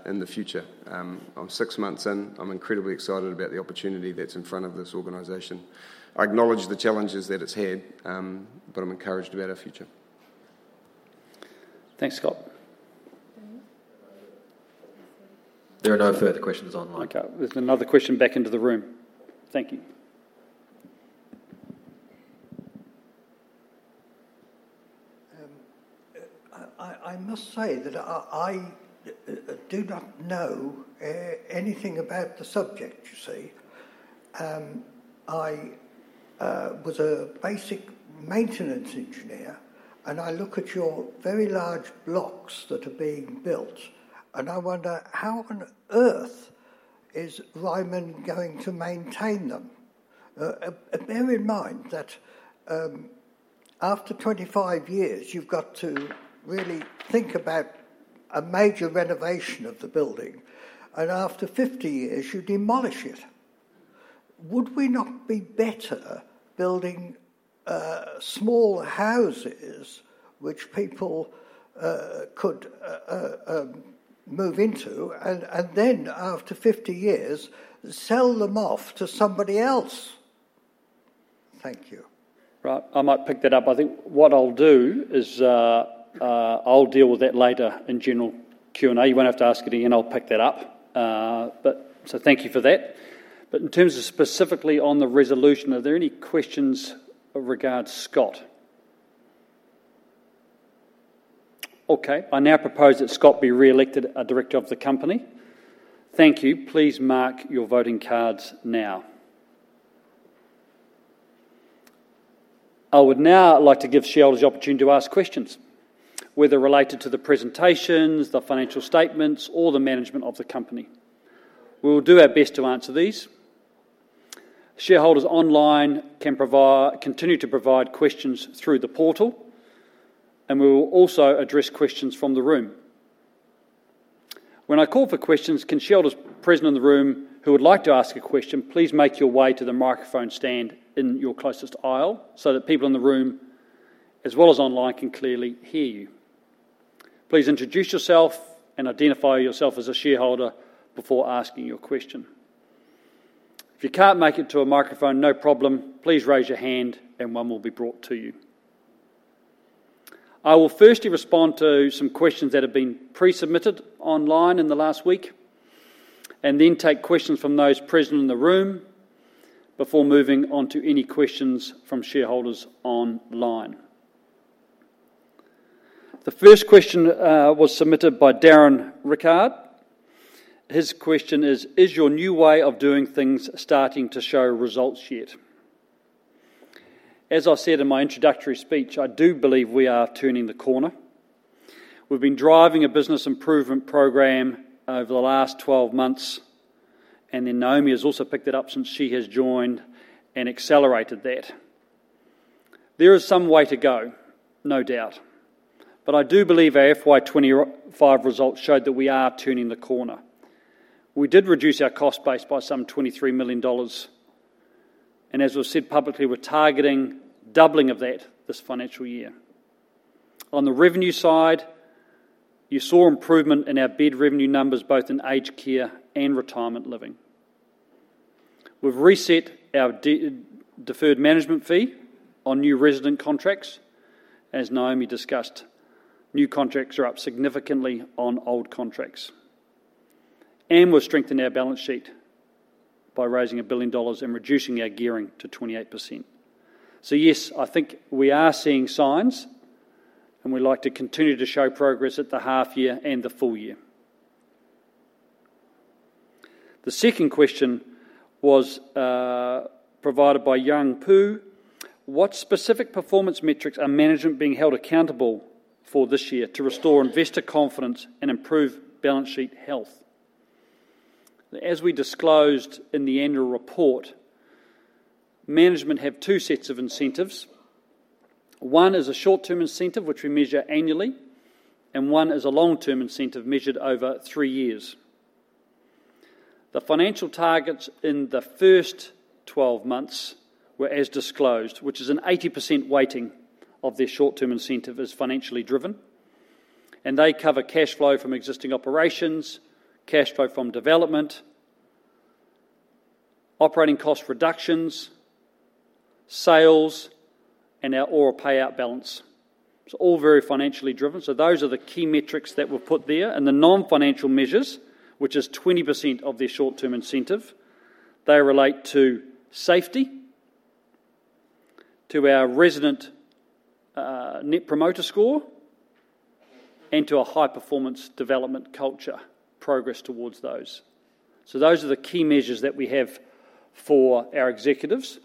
in the future. I'm six months in. I'm incredibly excited about the opportunity that's in front of this organization. I acknowledge the challenges that it's had, but I'm encouraged about our future.
Thanks, Scott.
There are no further questions online.
There's another question back in the room. Thank you.
I must say that I do not know anything about the subject, you see. I was a basic maintenance engineer, and I look at your very large blocks that are being built, and I wonder how on earth is Ryman Healthcare going to maintain them? Bear in mind that after 25 years, you've got to really think about a major renovation of the building, and after 50 years, you demolish it. Would we not be better at building small houses which people could move into and then after 50 years sell them off to somebody else? Thank you.
Right. I might pick that up. I think what I'll do is I'll deal with that later in general Q&A. You won't have to ask it again. I'll pick that up. Thank you for that. In terms of specifically on the resolution, are there any questions regarding Scott? I now propose that Scott be reelected a director of the company. Thank you. Please mark your voting cards now. I would now like to give shareholders the opportunity to ask questions, whether related to the presentations, the financial statements, or the management of the company. We will do our best to answer these. Shareholders online can continue to provide questions through the portal, and we will also address questions from the room. When I call for questions, can shareholders present in the room who would like to ask a question please make your way to the microphone stand in your closest aisle so that people in the room, as well as online, can clearly hear you. Please introduce yourself and identify yourself as a shareholder before asking your question. If you can't make it to a microphone, no problem. Please raise your hand and one will be brought to you. I will firstly respond to some questions that have been pre-submitted online in the last week and then take questions from those present in the room before moving on to any questions from shareholders online. The first question was submitted by Darren Rickard. His question is, is your new way of doing things starting to show results yet? As I said in my introductory speech, I do believe we are turning the corner. We've been driving a business improvement program over the last 12 months, and Naomi has also picked it up since she has joined and accelerated that. There is some way to go, no doubt. I do believe our FY 2025 results showed that we are turning the corner. We did reduce our cost base by some 23 million dollars. As was said publicly, we're targeting doubling of that this financial year. On the revenue side, you saw improvement in our bed revenue numbers, both in aged care and retirement living. We've reset our deferred management fee on new resident contracts. As Naomi discussed, new contracts are up significantly on old contracts. We've strengthened our balance sheet by raising 1 billion dollars and reducing our gearing to 28%. Yes, I think we are seeing signs, and we'd like to continue to show progress at the half year and the full year. The second question was provided by Yan Pu. What specific performance metrics are management being held accountable for this year to restore investor confidence and improve balance sheet health? As we disclosed in the annual report, management have two sets of incentives. One is a short-term incentive, which we measure annually, and one is a long-term incentive measured over three years. The financial targets in the first 12 months were, as disclosed, which is an 80% weighting of their short-term incentive as financially driven. They cover cash flow from existing operations, cash flow from development, operating cost reductions, sales, and our payout balance. It's all very financially driven. Those are the key metrics that were put there. The non-financial measures, which is 20% of their short-term incentive, relate to safety, to our resident net promoter score, and to a high-performance development culture progress towards those. Those are the key measures that we have for our executives.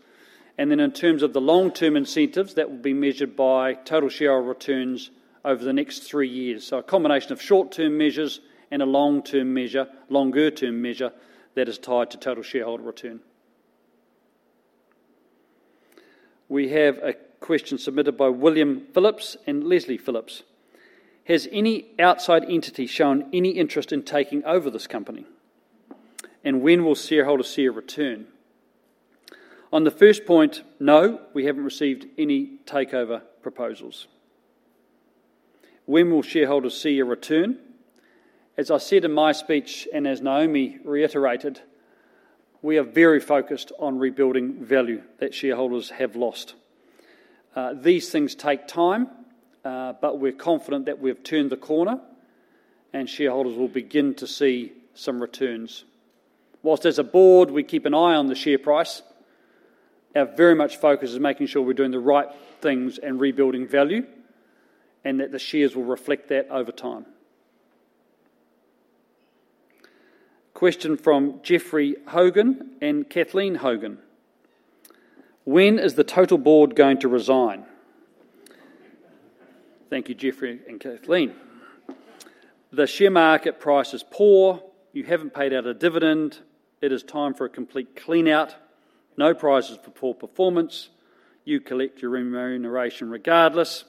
In terms of the long-term incentives, that will be measured by total shareholder returns over the next three years. A combination of short-term measures and a long-term measure that is tied to total shareholder return. We have a question submitted by William Phillips and Leslie Phillips. Has any outside entity shown any interest in taking over this company? When will shareholders see a return? On the first point, no, we haven't received any takeover proposals. When will shareholders see a return? As I said in my speech and as Naomi reiterated, we are very focused on rebuilding value that shareholders have lost. These things take time, but we're confident that we have turned the corner and shareholders will begin to see some returns. Whilst as a board, we keep an eye on the share price, our very much focus is making sure we're doing the right things and rebuilding value and that the shares will reflect that over time. Question from Geoffrey Hogan and Kathleen Hogan. When is the total board going to resign? Thank you, Geoffrey, and Kathleen. The share market price is poor. You haven't paid out a dividend. It is time for a complete clean-out. No prizes for poor performance. You collect your remuneration regardless.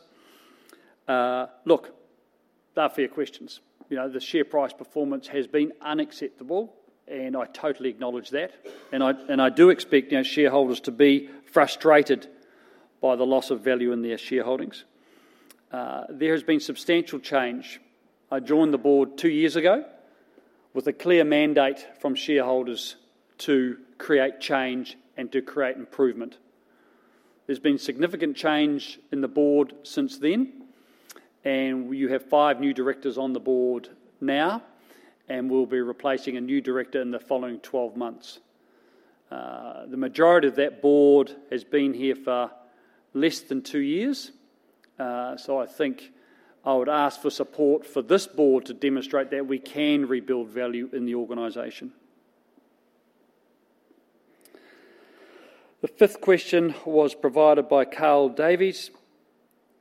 Look, they're fair questions. The share price performance has been unacceptable, and I totally acknowledge that. I do expect shareholders to be frustrated by the loss of value in their shareholdings. There has been substantial change. I joined the board two years ago with a clear mandate from shareholders to create change and to create improvement. There's been significant change in the board since then, and you have five new directors on the board now, and we'll be replacing a new director in the following 12 months. The majority of that board has been here for less than two years, so I think I would ask for support for this board to demonstrate that we can rebuild value in the organization. The fifth question was provided by Carl Davies.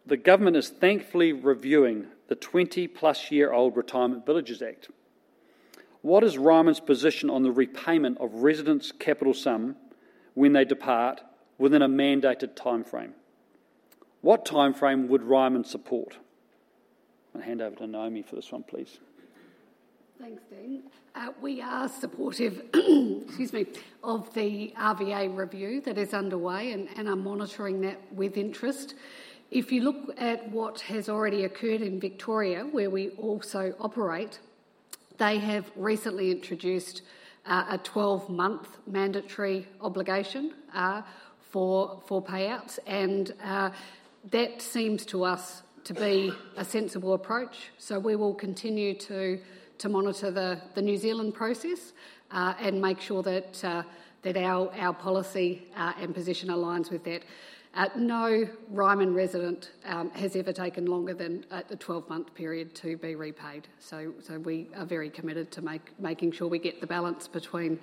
The government is thankfully reviewing the 20+ year old Retirement Villages Act. What is Ryman's position on the repayment of residents' capital sum when they depart within a mandated timeframe? What timeframe would Ryman support? I'm going to hand over to Naomi for this one, please.
Thanks, Dean. We are supportive of the RVA review that is underway, and I'm monitoring that with interest. If you look at what has already occurred in Victoria, where we also operate, they have recently introduced a 12-month mandatory obligation for payouts, and that seems to us to be a sensible approach. We will continue to monitor the New Zealand process and make sure that our policy and position aligns with that. No Ryman resident has ever taken longer than the 12-month period to be repaid. We are very committed to making sure we get the balance between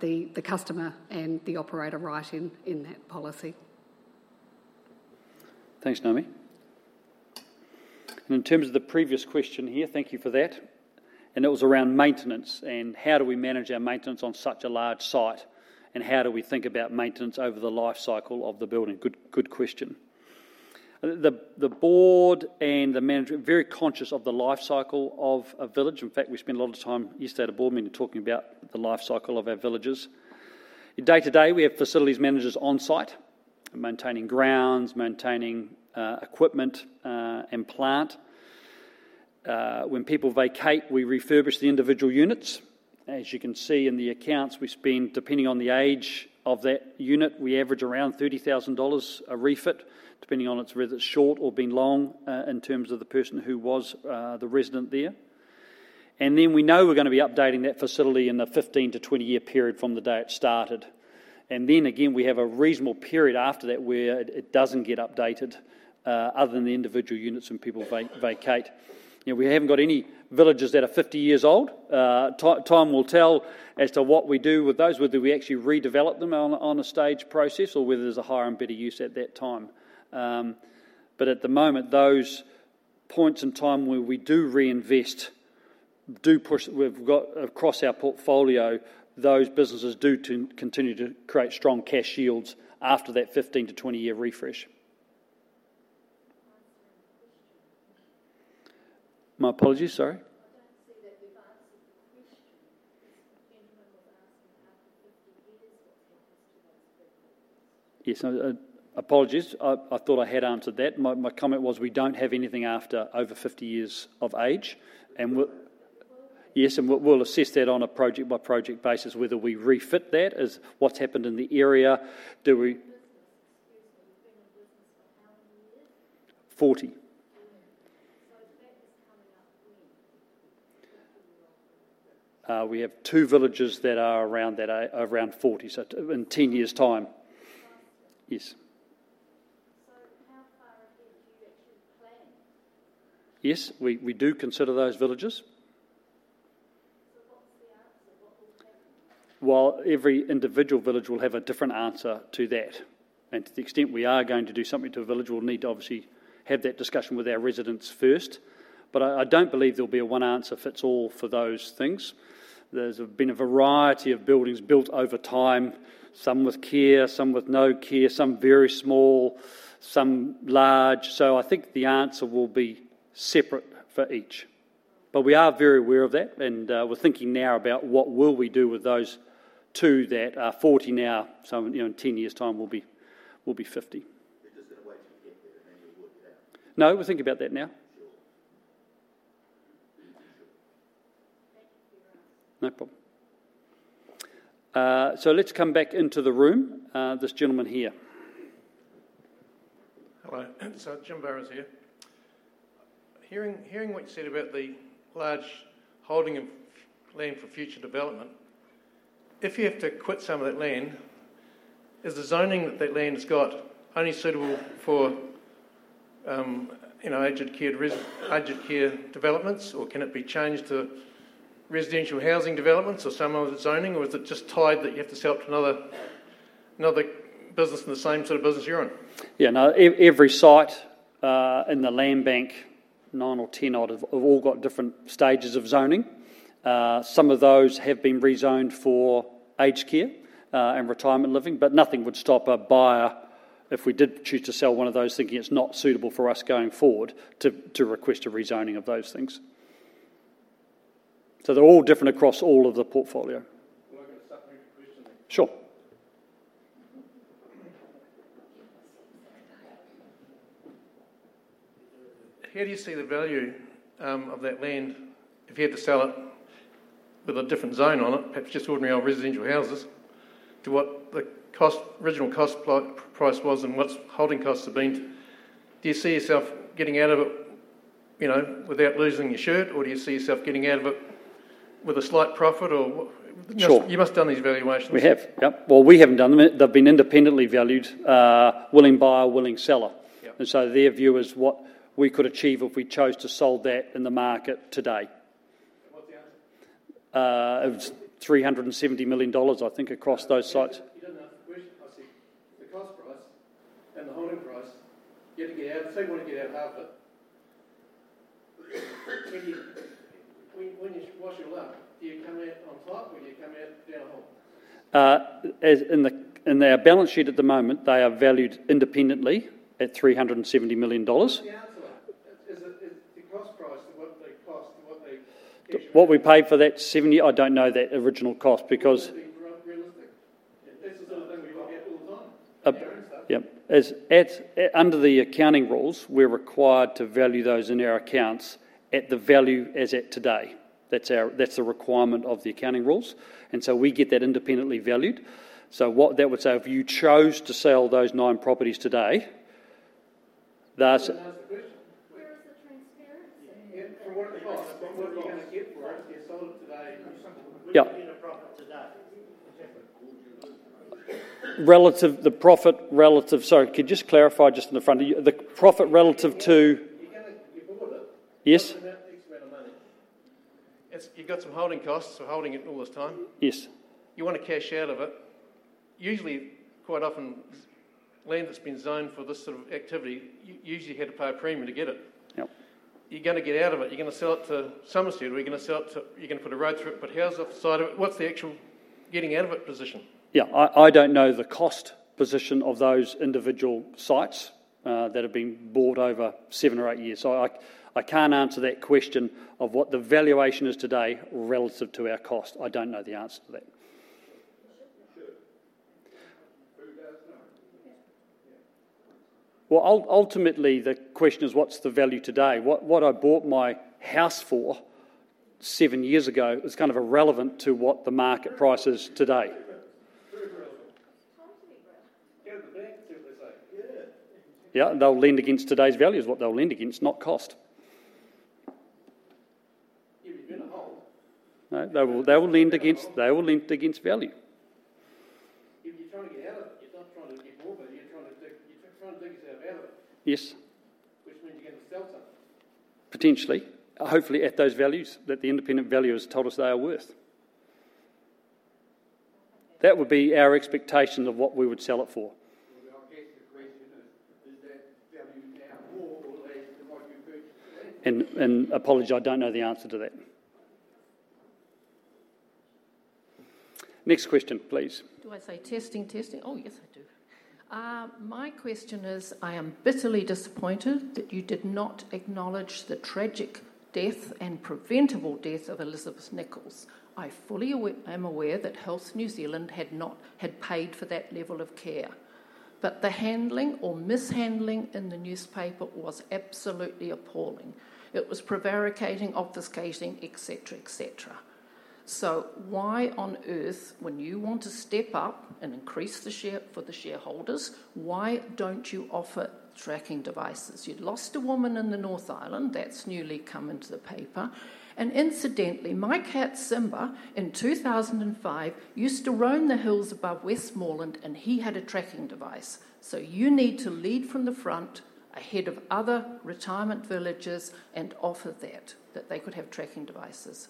the customer and the operator right in that policy.
Thanks, Naomi. In terms of the previous question here, thank you for that. It was around maintenance and how do we manage our maintenance on such a large site and how do we think about maintenance over the lifecycle of the building? Good question. The board and the management are very conscious of the lifecycle of a village. In fact, we spent a lot of time yesterday at a board meeting talking about the lifecycle of our villages. Day to day, we have facilities managers on site, maintaining grounds, maintaining equipment, and plant. When people vacate, we refurbish the individual units. As you can see in the accounts, we spend, depending on the age of that unit, we average around 30,000 dollars a refit, depending on whether it's short or been long in terms of the person who was the resident there. We know we're going to be updating that facility in the 15 to 20-year period from the day it started. We have a reasonable period after that where it doesn't get updated other than the individual units when people vacate. We haven't got any villages that are 50 years old. Time will tell as to what we do with those, whether we actually redevelop them on a staged process or whether there's a higher and better use at that time. At the moment, those points in time where we do reinvest do push, we've got across our portfolio, those businesses do continue to create strong cash yields after that 15 to 20-year refresh. My apologies, sorry.
Yes, the general have asked you after 15 years, your service levels.
Yes, apologies. I thought I had answered that. My comment was we don't have anything after over 50 years of age. Yes, we'll assess that on a project-by-project basis, whether we refit that as what's happened in the area. We have two villages that are around that, around 40. In 10 years' time, yes, we do consider those villages. While every individual village will have a different answer to that, to the extent we are going to do something to a village, we'll need to obviously have that discussion with our residents first. I don't believe there'll be a one answer fits all for those things. There's been a variety of buildings built over time, some with care, some with no care, some very small, some large. I think the answer will be separate for each. We are very aware of that, and we're thinking now about what will we do with those two that are 40 now, so in 10 years' time will be 50. We're thinking about that now. No problem. Let's come back into the room. This gentleman here.
Hello. It's Jim Burrows here. Hearing what you said about the large holding of land for future development, if you have to quit some of that land, is the zoning that that land has got only suitable for aged care developments, or can it be changed to residential housing developments or some other zoning, or is it just tied that you have to sell it to another business in the same sort of business you're in?
Yeah, no, every site in the land bank, nine or ten of them have all got different stages of zoning. Some of those have been rezoned for aged care and retirement living, but nothing would stop a buyer if we did choose to sell one of those thinking it's not suitable for us going forward to request a rezoning of those things. They're all different across all of the portfolio. Sure.
How do you see the value of that land if you had to sell it with a different zone on it, perhaps just ordinary residential houses, to what the original cost price was and what holding costs have been? Do you see yourself getting out of it without losing your shirt, or do you see yourself getting out of it with a slight profit?
Sure.
You must have done these valuations.
We have. We haven't done them. They've been independently valued, willing buyer, willing seller, and their view is what we could achieve if we chose to sell that in the market today. It was 370 million dollars, I think, across those sites.
You're going to have to first ask him the cost price and the holding price.
Yeah, I'd say you want to do about half of it.
Thank you.
In their balance sheet at the moment, they are valued independently at 370 million dollars. What we paid for that 70, I don't know that original cost because under the accounting rules, we're required to value those in our accounts at the value as at today. That's the requirement of the accounting rules, and we get that independently valued. What that would say, if you chose to sell those nine properties today, that's.
Where's the transparency?
Yeah, for what it was, it wasn't looking as good for us. It sold today.
Yeah. Relative. The profit relative, sorry, could you just clarify just in front of you? The profit relative to, yes?
You've got some holding costs, holding it all this time.
Yes.
You want to cash out of it. Quite often, land that's been zoned for this sort of activity, you usually had to pay a premium to get it.
Yeah.
You're going to get out of it. You're going to sell it to Somerset, or you're going to sell it to, you're going to put a road through it. How's the side of it? What's the actual getting out of it position?
I don't know the cost position of those individual sites that have been bought over seven or eight years. I can't answer that question of what the valuation is today relative to our cost. I don't know the answer to that. Ultimately, the question is what's the value today? What I bought my house for seven years ago is kind of irrelevant to what the market price is today. They'll lend against today's values, what they'll lend against, not cost. They will lend against value.
You'll get more, but you're trying to take yourself out of it.
Yes.
Which means you're going to sell stuff.
Potentially, hopefully at those values that the independent valuers told us they are worth. That would be our expectation of what we would sell it for. Apologies, I don't know the answer to that. Next question, please.
Do I say testing, testing? Oh, yes, I do. My question is, I am bitterly disappointed that you did not acknowledge the tragic death and preventable death of Elizabeth Nichols. I fully am aware that Health New Zealand had not paid for that level of care. The handling or mishandling in the newspaper was absolutely appalling. It was prevaricating, obfuscating, et cetera, et cetera. Why on earth, when you want to step up and increase the share for the shareholders, don't you offer tracking devices? You'd lost a woman in the North Island. That's newly come into the paper. Incidentally, my cat Simba, in 2005, used to roam the hills above Westmoreland, and he had a tracking device. You need to lead from the front, ahead of other retirement villages, and offer that, that they could have tracking devices.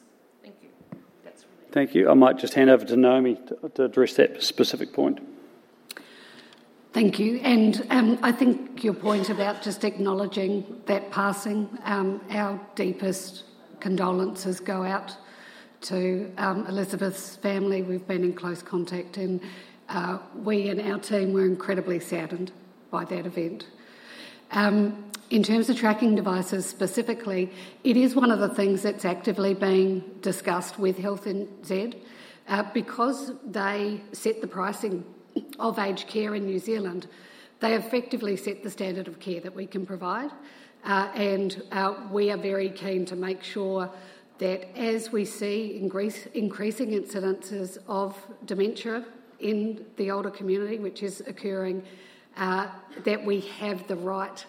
Thank you.
Thank you. I might just hand over to Naomi to address that specific point.
Thank you. I think your point about just acknowledging that passing, our deepest condolences go out to Elizabeth's family. We've been in close contact, and we and our team were incredibly saddened by that event. In terms of tracking devices specifically, it is one of the things that's actively being discussed with Health NZ because they set the pricing of aged care in New Zealand. They effectively set the standard of care that we can provide. We are very keen to make sure that as we see increasing incidences of dementia in the older community, which is occurring, that we have the right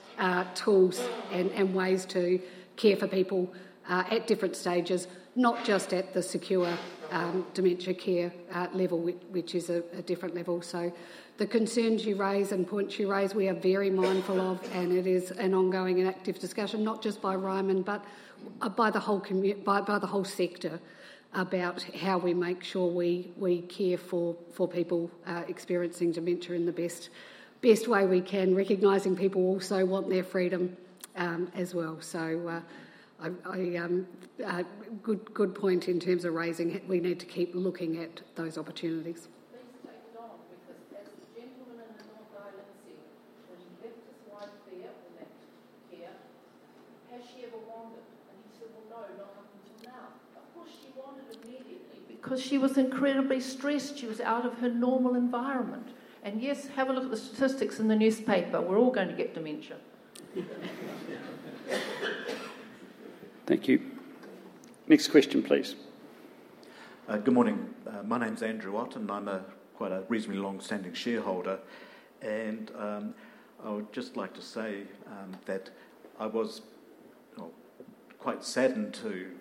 tools and ways to care for people at different stages, not just at the secure dementia care level, which is a different level. The concerns you raise and points you raise, we are very mindful of, and it is an ongoing and active discussion, not just by Ryman Healthcare, but by the whole sector about how we make sure we care for people experiencing dementia in the best way we can, recognizing people also want their freedom as well. A good point in terms of raising it. We need to keep looking at those opportunities.
Violence in, I mean, David's wife there on the left, here, has she ever wound up any. No, not happy just now
because she was incredibly stressed. She was out of her normal environment. Yes, have a look at the statistics in the newspaper. We're all going to get dementia.
Thank you. Next question, please.
Good morning. My name's Andrew Ott and I'm quite a reasonably long-standing shareholder. I would just like to say that I was quite saddened to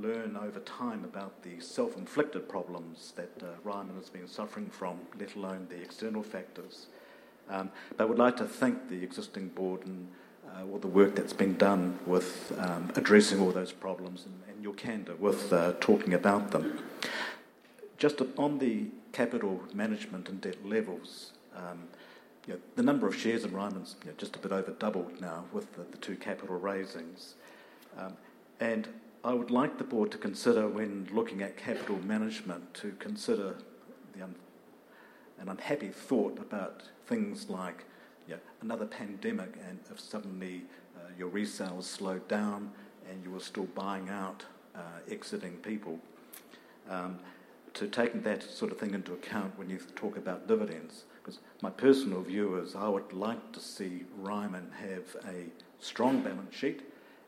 learn over time about the self-inflicted problems that Ryman Healthcare has been suffering from, let alone the external factors. I would like to thank the existing board and all the work that's been done with addressing all those problems and your candor with talking about them. Just on the capital management and debt levels, the number of shares of Ryman's just a bit over doubled now with the two capital raisings. I would like the board to consider when looking at capital management to consider the unhappy thought about things like another pandemic and if suddenly your resale has slowed down and you are still buying out exiting people. Take that sort of thing into account when you talk about dividends, because my personal view is I would like to see Ryman have a strong balance sheet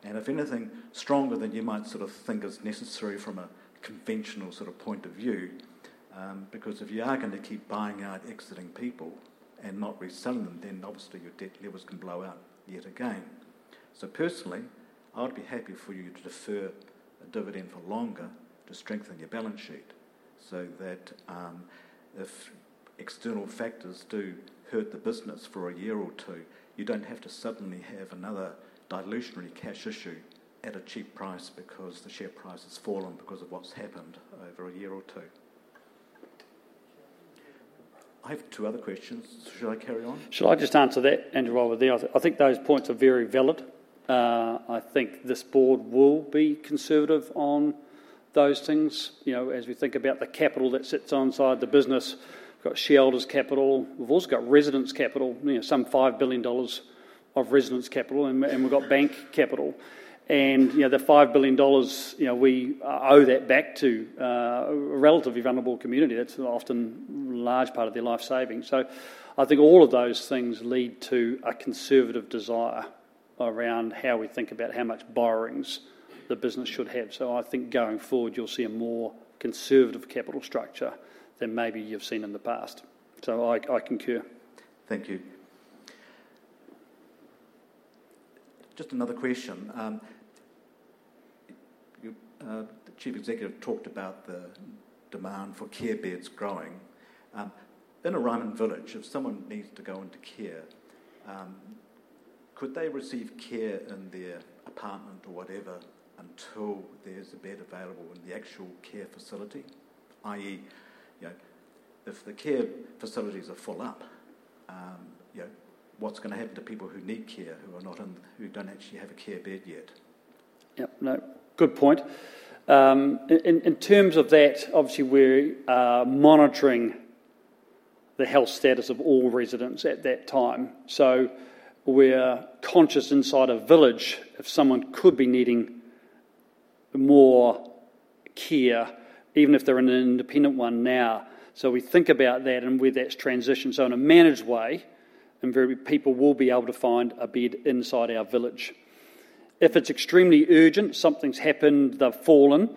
and if anything stronger than you might sort of think is necessary from a conventional sort of point of view. If you are going to keep buying out exiting people and not reselling them, then obviously your debt levels can blow up yet again. Personally, I'd be happy for you to defer a dividend for longer to strengthen your balance sheet so that if external factors do hurt the business for a year or two, you don't have to suddenly have another dilutionary cash issue at a cheap price because the share price has fallen because of what's happened over a year or two. I have two other questions. Should I carry on?
Sure, I'll just answer that, Andrew, while we're there. I think those points are very valid. I think this board will be conservative on those things. As we think about the capital that sits inside the business, we've got shareholders' capital, we've also got residents' capital, some 5 billion dollars of residents' capital, and we've got bank capital. The billion, we owe that back to a relatively vulnerable community. That's often a large part of their life savings. I think all of those things lead to a conservative desire around how we think about how much borrowings the business should have. I think going forward, you'll see a more conservative capital structure than maybe you've seen in the past. I concur.
Thank you. Just another question. The Chief Executive talked about the demand for care beds growing. In a Ryman village, if someone needs to go into care, could they receive care in their apartment or whatever until there's a bed available in the actual care facility? I.e., if the care facilities are full up, what's going to happen to people who need care, who are not in, who don't actually have a care bed yet?
Yeah, no, good point. In terms of that, obviously we're monitoring the health status of all residents at that time. We're conscious inside a village if someone could be needing more care, even if they're in an independent one now. We think about that and where that's transitioned. In a managed way, people will be able to find a bed inside our village. If it's extremely urgent, something's happened, they've fallen,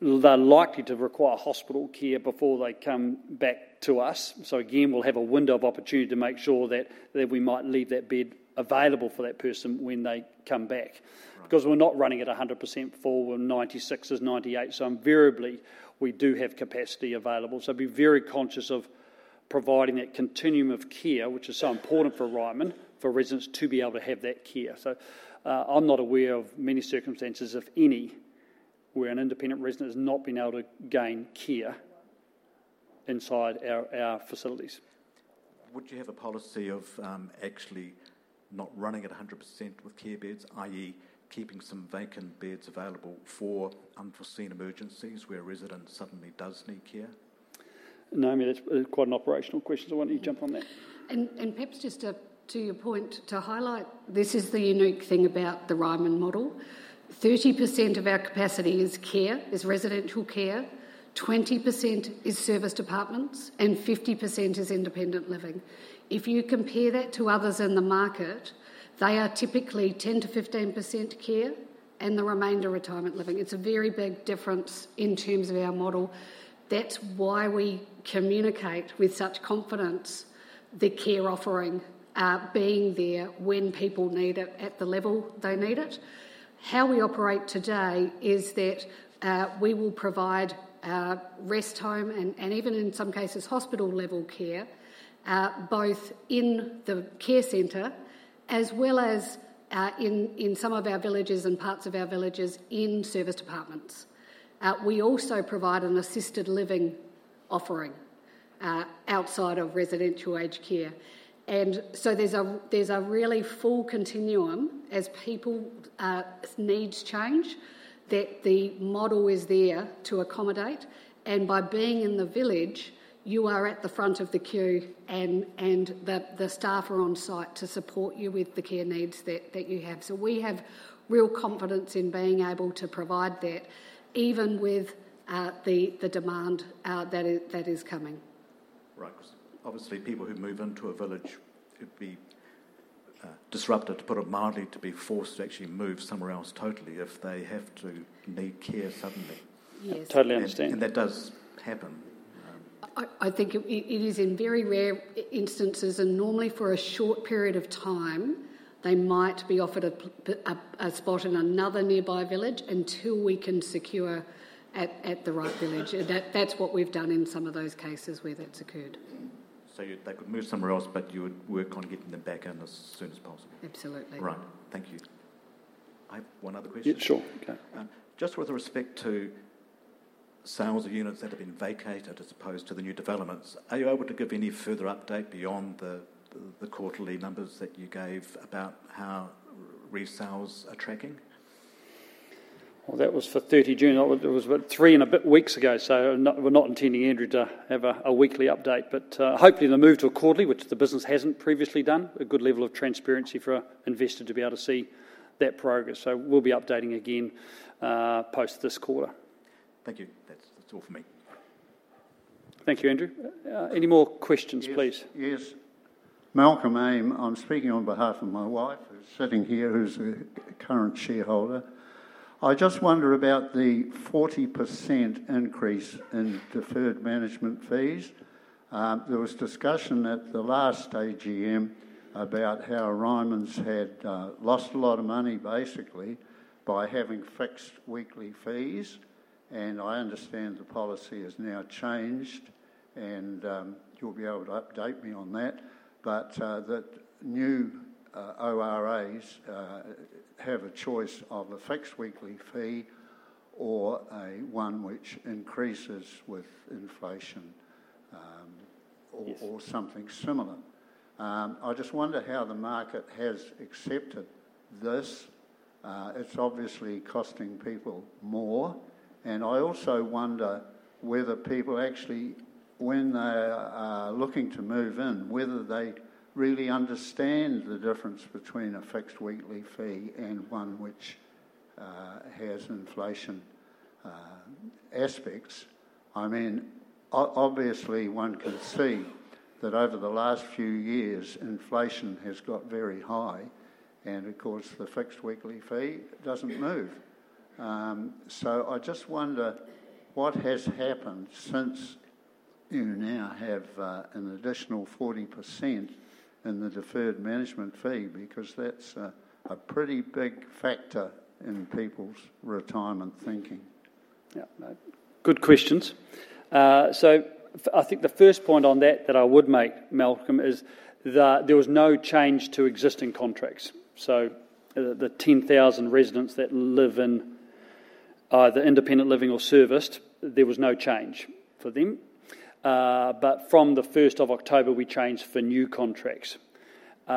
they're likely to require hospital care before they come back to us. We'll have a window of opportunity to make sure that we might leave that bed available for that person when they come back. Because we're not running at 100% full, we're 96% as 98%, so invariably we do have capacity available. Be very conscious of providing that continuum of care, which is so important for Ryman, for residents to be able to have that care. I'm not aware of many circumstances, if any, where an independent resident has not been able to gain care inside our facilities.
Would you have a policy of actually not running at 100% with care beds, i.e., keeping some vacant beds available for unforeseen emergencies where a resident suddenly does need care?
Naomi, that's quite an operational question. I want you to jump on that.
Perhaps just to your point, to highlight, this is the unique thing about the Ryman model. 30% of our capacity is care, is residential care, 20% is serviced apartments, and 50% is independent living. If you compare that to others in the market, they are typically 10%-15% care and the remainder retirement living. It's a very big difference in terms of our model. That's why we communicate with such confidence the care offering being there when people need it at the level they need it. How we operate today is that we will provide rest home and even in some cases hospital level care, both in the care center as well as in some of our villages and parts of our villages in serviced apartments. We also provide an assisted living offering outside of residential aged care. There is a really full continuum as people's needs change, that the model is there to accommodate. By being in the village, you are at the front of the queue and the staff are on site to support you with the care needs that you have. We have real confidence in being able to provide that even with the demand that is coming.
Right, because obviously people who move into a village, it'd be disruptive, to put it mildly, to be forced to actually move somewhere else totally if they have to need care suddenly.
Yes,
totally understand.
That does happen.
I think it is in very rare instances, and normally for a short period of time, they might be offered a spot in another nearby village until we can secure at the right village. That's what we've done in some of those cases where that's occurred.
They could move somewhere else, but you would work on getting them back in as soon as possible.
Absolutely.
Right, thank you. I have one other question.
Sure.
Just with respect to sales of units that have been vacated as opposed to the new developments, are you able to give any further update beyond the quarterly numbers that you gave about how resales are tracking?
That was for 30 June. It was about three and a bit weeks ago. We're not intending, Andrew, to have a weekly update, but hopefully the move to a quarterly, which the business hasn't previously done, provides a good level of transparency for an investor to be able to see that progress. We'll be updating again post this quarter.
Thank you. That's all for me.
Thank you, Andrew. Any more questions, please?
Yes, Malcolm Aim, I'm speaking on behalf of my wife, who's sitting here, who's a current shareholder. I just wonder about the 40% increase in deferred management fees. There was discussion at the last AGM about how Ryman Healthcare's had lost a lot of money basically by having fixed weekly fees. I understand the policy has now changed, and you'll be able to update me on that. The new ORAs have a choice of a fixed weekly fee or one which increases with inflation or something similar. I just wonder how the market has accepted this. It's obviously costing people more. I also wonder whether people actually, when they're looking to move in, really understand the difference between a fixed weekly fee and one which has inflation aspects. I mean, obviously one can see that over the last few years, inflation has got very high and of course the fixed weekly fee doesn't move. I just wonder what has happened since you now have an additional 40% in the deferred management fee because that's a pretty big factor in people's retirement thinking.
Yeah, good questions. I think the first point on that that I would make, Malcolm, is that there was no change to existing contracts. The 10,000 residents that live in either independent living or serviced, there was no change for them. From the 1st of October, we changed for new contracts. We've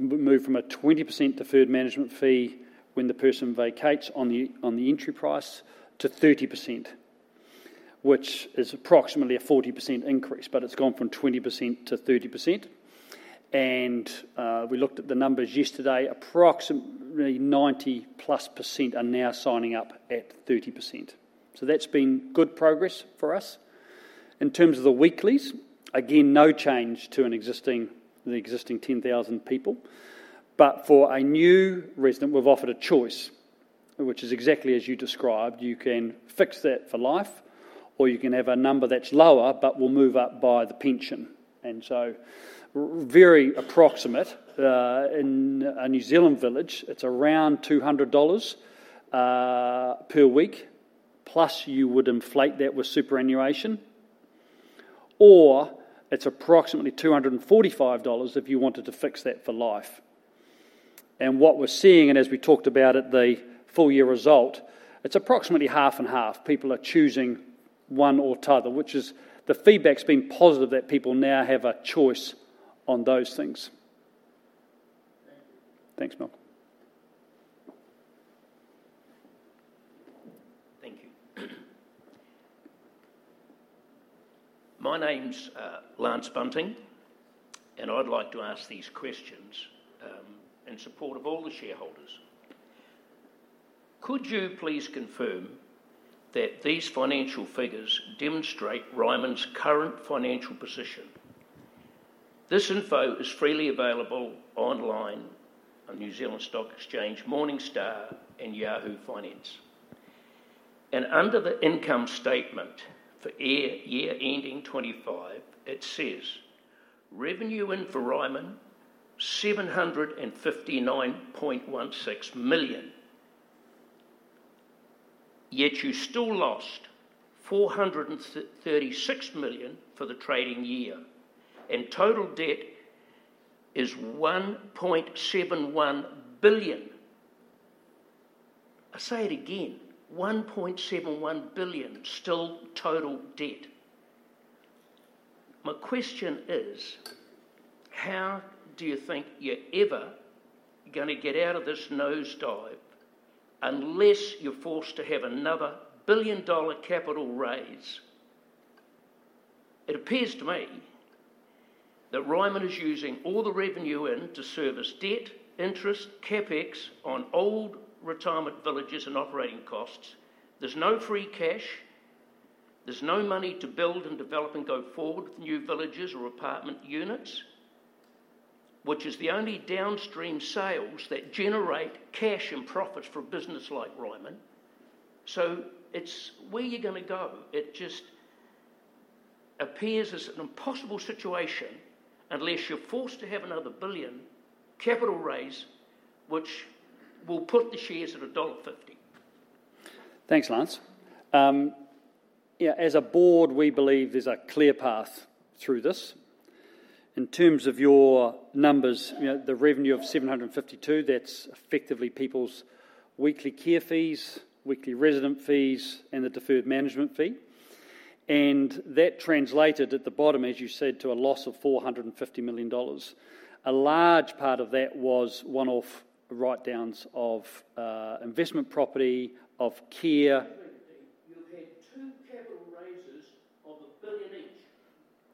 moved from a 20% deferred management fee when the person vacates on the entry price to 30%, which is approximately a 40% increase, but it's gone from 20%-30%. We looked at the numbers yesterday, approximately 90% plus are now signing up at 30%. That's been good progress for us. In terms of the weeklies, again, no change to the existing 10,000 people. For a new resident, we've offered a choice, which is exactly as you described. You can fix that for life or you can have a number that's lower, but will move up by the pension. Very approximate, in a New Zealand village, it's around 200 dollars per week, plus you would inflate that with superannuation, or it's approximately 245 dollars if you wanted to fix that for life. What we're seeing, and as we talked about at the full year result, it's approximately 50/50. People are choosing one or the other, which is the feedback's been positive that people now have a choice on those things. Thanks, Malcolm.
Thank you. My name's Lance Bunting, and I'd like to ask these questions in support of all the shareholders. Could you please confirm that these financial figures demonstrate Ryman's current financial position? This info is freely available online on New Zealand Stock Exchange, Morningstar, and Yahoo Finance. Under the income statement for year ending 2025, it says revenue in for Ryman 759 .16 million. Yet you still lost 436 million for the trading year, and total debt is 1.71 billion. I say it again, 1.71 billion still total debt. My question is, how do you think you're ever going to get out of this nosedive unless you're forced to have another 1 billion dollar capital raise? It appears to me that Ryman is using all the revenue in to service debt, interest, CapEx on old retirement villages and operating costs. There's no free cash. There's no money to build and develop and go forward with new villages or apartment units, which is the only downstream sales that generate cash and profits for a business like Ryman. It's where you're going to go. It just appears as an impossible situation unless you're forced to have another 1 billion capital raise, which will put the shares at dollar 1.50.
Thanks, Lance. Yeah, as a board, we believe there's a clear path through this. In terms of your numbers, you know, the revenue of 752 million, that's effectively people's weekly care fees, weekly resident fees, and the deferred management fee. That translated at the bottom, as you said, to a loss of 450 million dollars. A large part of that was one-off write-downs of investment property, of care.
You've had two capital raises on the 1 billion each.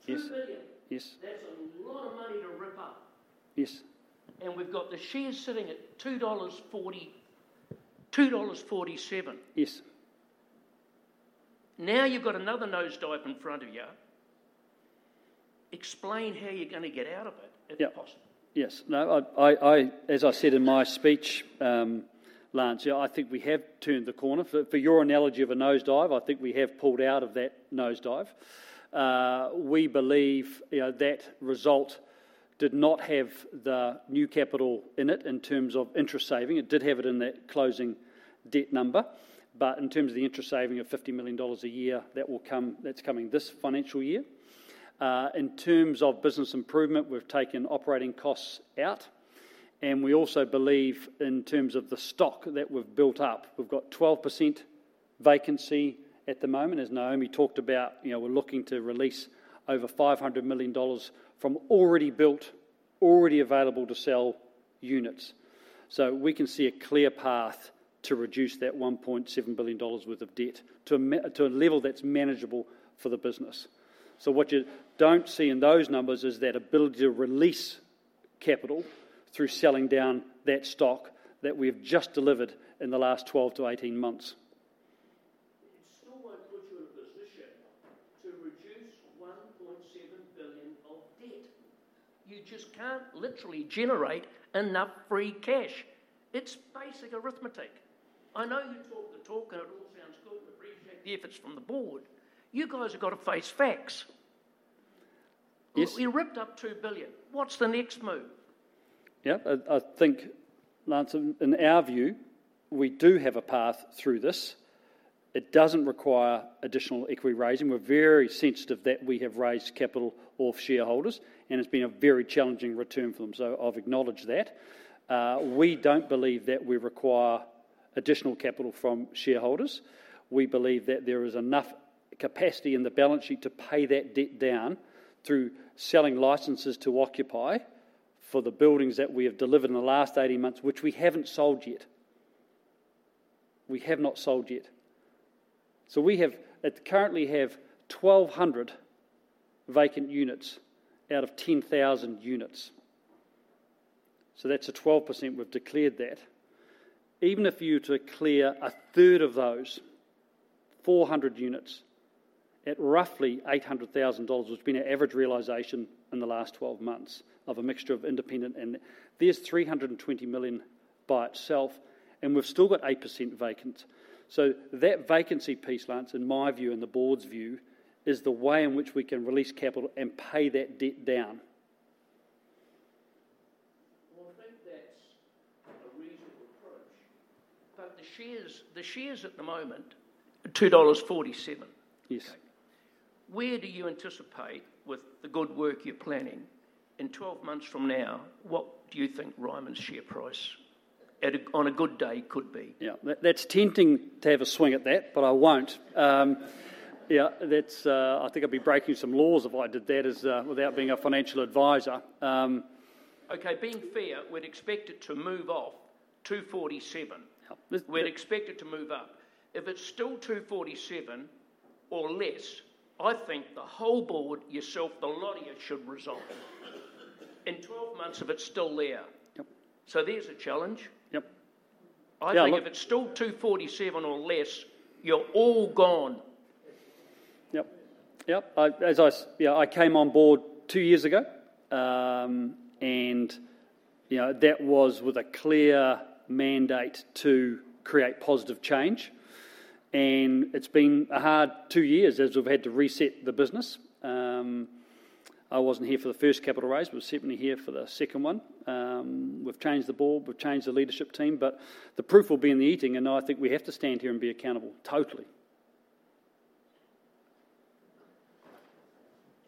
2 billion.
Yes.
That's a lot of money to rip up.
Yes.
We've got the shares sitting at 2.47 dollars.
Yes.
Now you've got another nosedive in front of you. Explain how you're going to get out of it if possible.
Yes. No, I, as I said in my speech, Lance, I think we have turned the corner. For your analogy of a nosedive, I think we have pulled out of that nosedive. We believe that result did not have the new capital in it in terms of interest saving. It did have it in that closing debt number. In terms of the interest saving of 50 million dollars a year, that's coming this financial year. In terms of business improvement, we've taken operating costs out. We also believe in terms of the stock that we've built up, we've got 12% vacancy at the moment. As Naomi talked about, you know, we're looking to release over 500 million dollars from already built, already available to sell units. We can see a clear path to reduce that 1.7 billion dollars worth of debt to a level that's manageable for the business. What you don't see in those numbers is that ability to release capital through selling down that stock that we have just delivered in the last 12 to 18 months.
To reduce 1.7 billion of debt, you just can't literally generate enough free cash. It's basic arithmetic. I know you talk the talk, and it all sounds good and appreciated if it's from the board. You guys have got to face facts. We ripped up 2 billion. What's the next move?
Yeah, I think, Lance, in our view, we do have a path through this. It doesn't require additional equity raising. We're very sensitive that we have raised capital off shareholders, and it's been a very challenging return for them. I've acknowledged that. We don't believe that we require additional capital from shareholders. We believe that there is enough capacity in the balance sheet to pay that debt down through selling licenses to occupy for the buildings that we have delivered in the last 18 months, which we haven't sold yet. We have not sold yet. We currently have 1,200 vacant units out of 10,000 units. That's 12%—we've declared that. Even if you were to clear a third of those, 400 units at roughly 800,000 dollars, which has been our average realization in the last 12 months of a mixture of independent, and there's 320 million by itself, and we've still got 8% vacant. That vacancy piece, Lance, in my view, in the board's view, is the way in which we can release capital and pay that debt down.
I think that's a reasonable approach. The shares at the moment are 2.47 dollars.
Yes.
Where do you anticipate, with the good work you're planning, in 12 months from now, what do you think Ryman's share price on a good day could be?
That's tempting to have a swing at that, but I won't. I think I'd be breaking some laws if I did that without being a financial advisor.
Okay, being fair, we'd expect it to move off 2.47. We'd expect it to move up. If it's still 2.47 or less, I think the whole board, yourself, the lobbyist should resign in 12 months if it's still there. There's a challenge.
Yep.
I think if it's still $247 or less, you're all gone.
Yep. As I came on board two years ago, and you know that was with a clear mandate to create positive change. It's been a hard two years as we've had to reset the business. I wasn't here for the first capital raise, but I was certainly here for the second one. We've changed the board, we've changed the leadership team, but the proof will be in the eating, and I think we have to stand here and be accountable totally.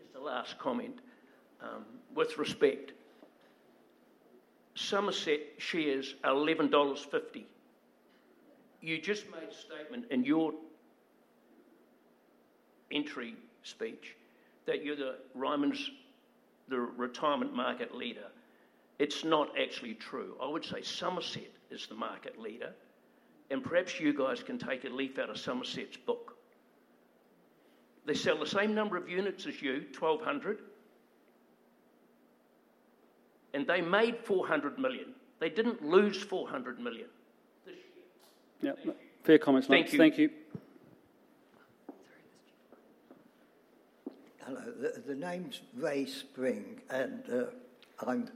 Just a last comment with respect. Summerset shares 11.50 dollars. You just made a statement in your entry speech that you're Ryman Healthcare's retirement market leader. It's not actually true. I would say Summerset is the market leader, and perhaps you guys can take a leaf out of Summerset's book. They sell the same number of units as you, 1,200, and they made 400 million. They didn't lose 400 million.
Yeah, fair comments.
Thank you.
Hello, the name's Ray Spring, and I'm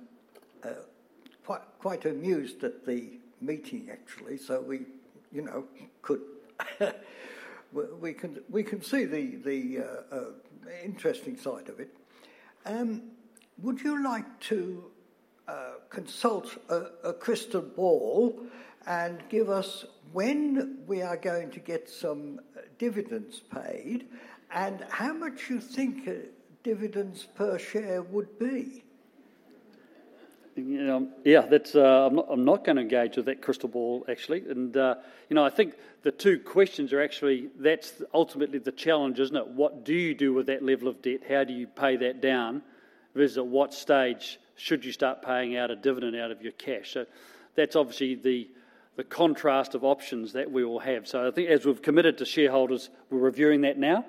quite amused at the meeting, actually. We can see the interesting side of it. Would you like to consult a crystal ball and give us when we are going to get some dividends paid and how much you think dividends per share would be?
Yeah, I'm not going to go to that crystal ball, actually. You know, I think the two questions are actually, that's ultimately the challenge, isn't it? What do you do with that level of debt? How do you pay that down? At what stage should you start paying out a dividend out of your cash? That's obviously the contrast of options that we all have. I think as we've committed to shareholders, we're reviewing that now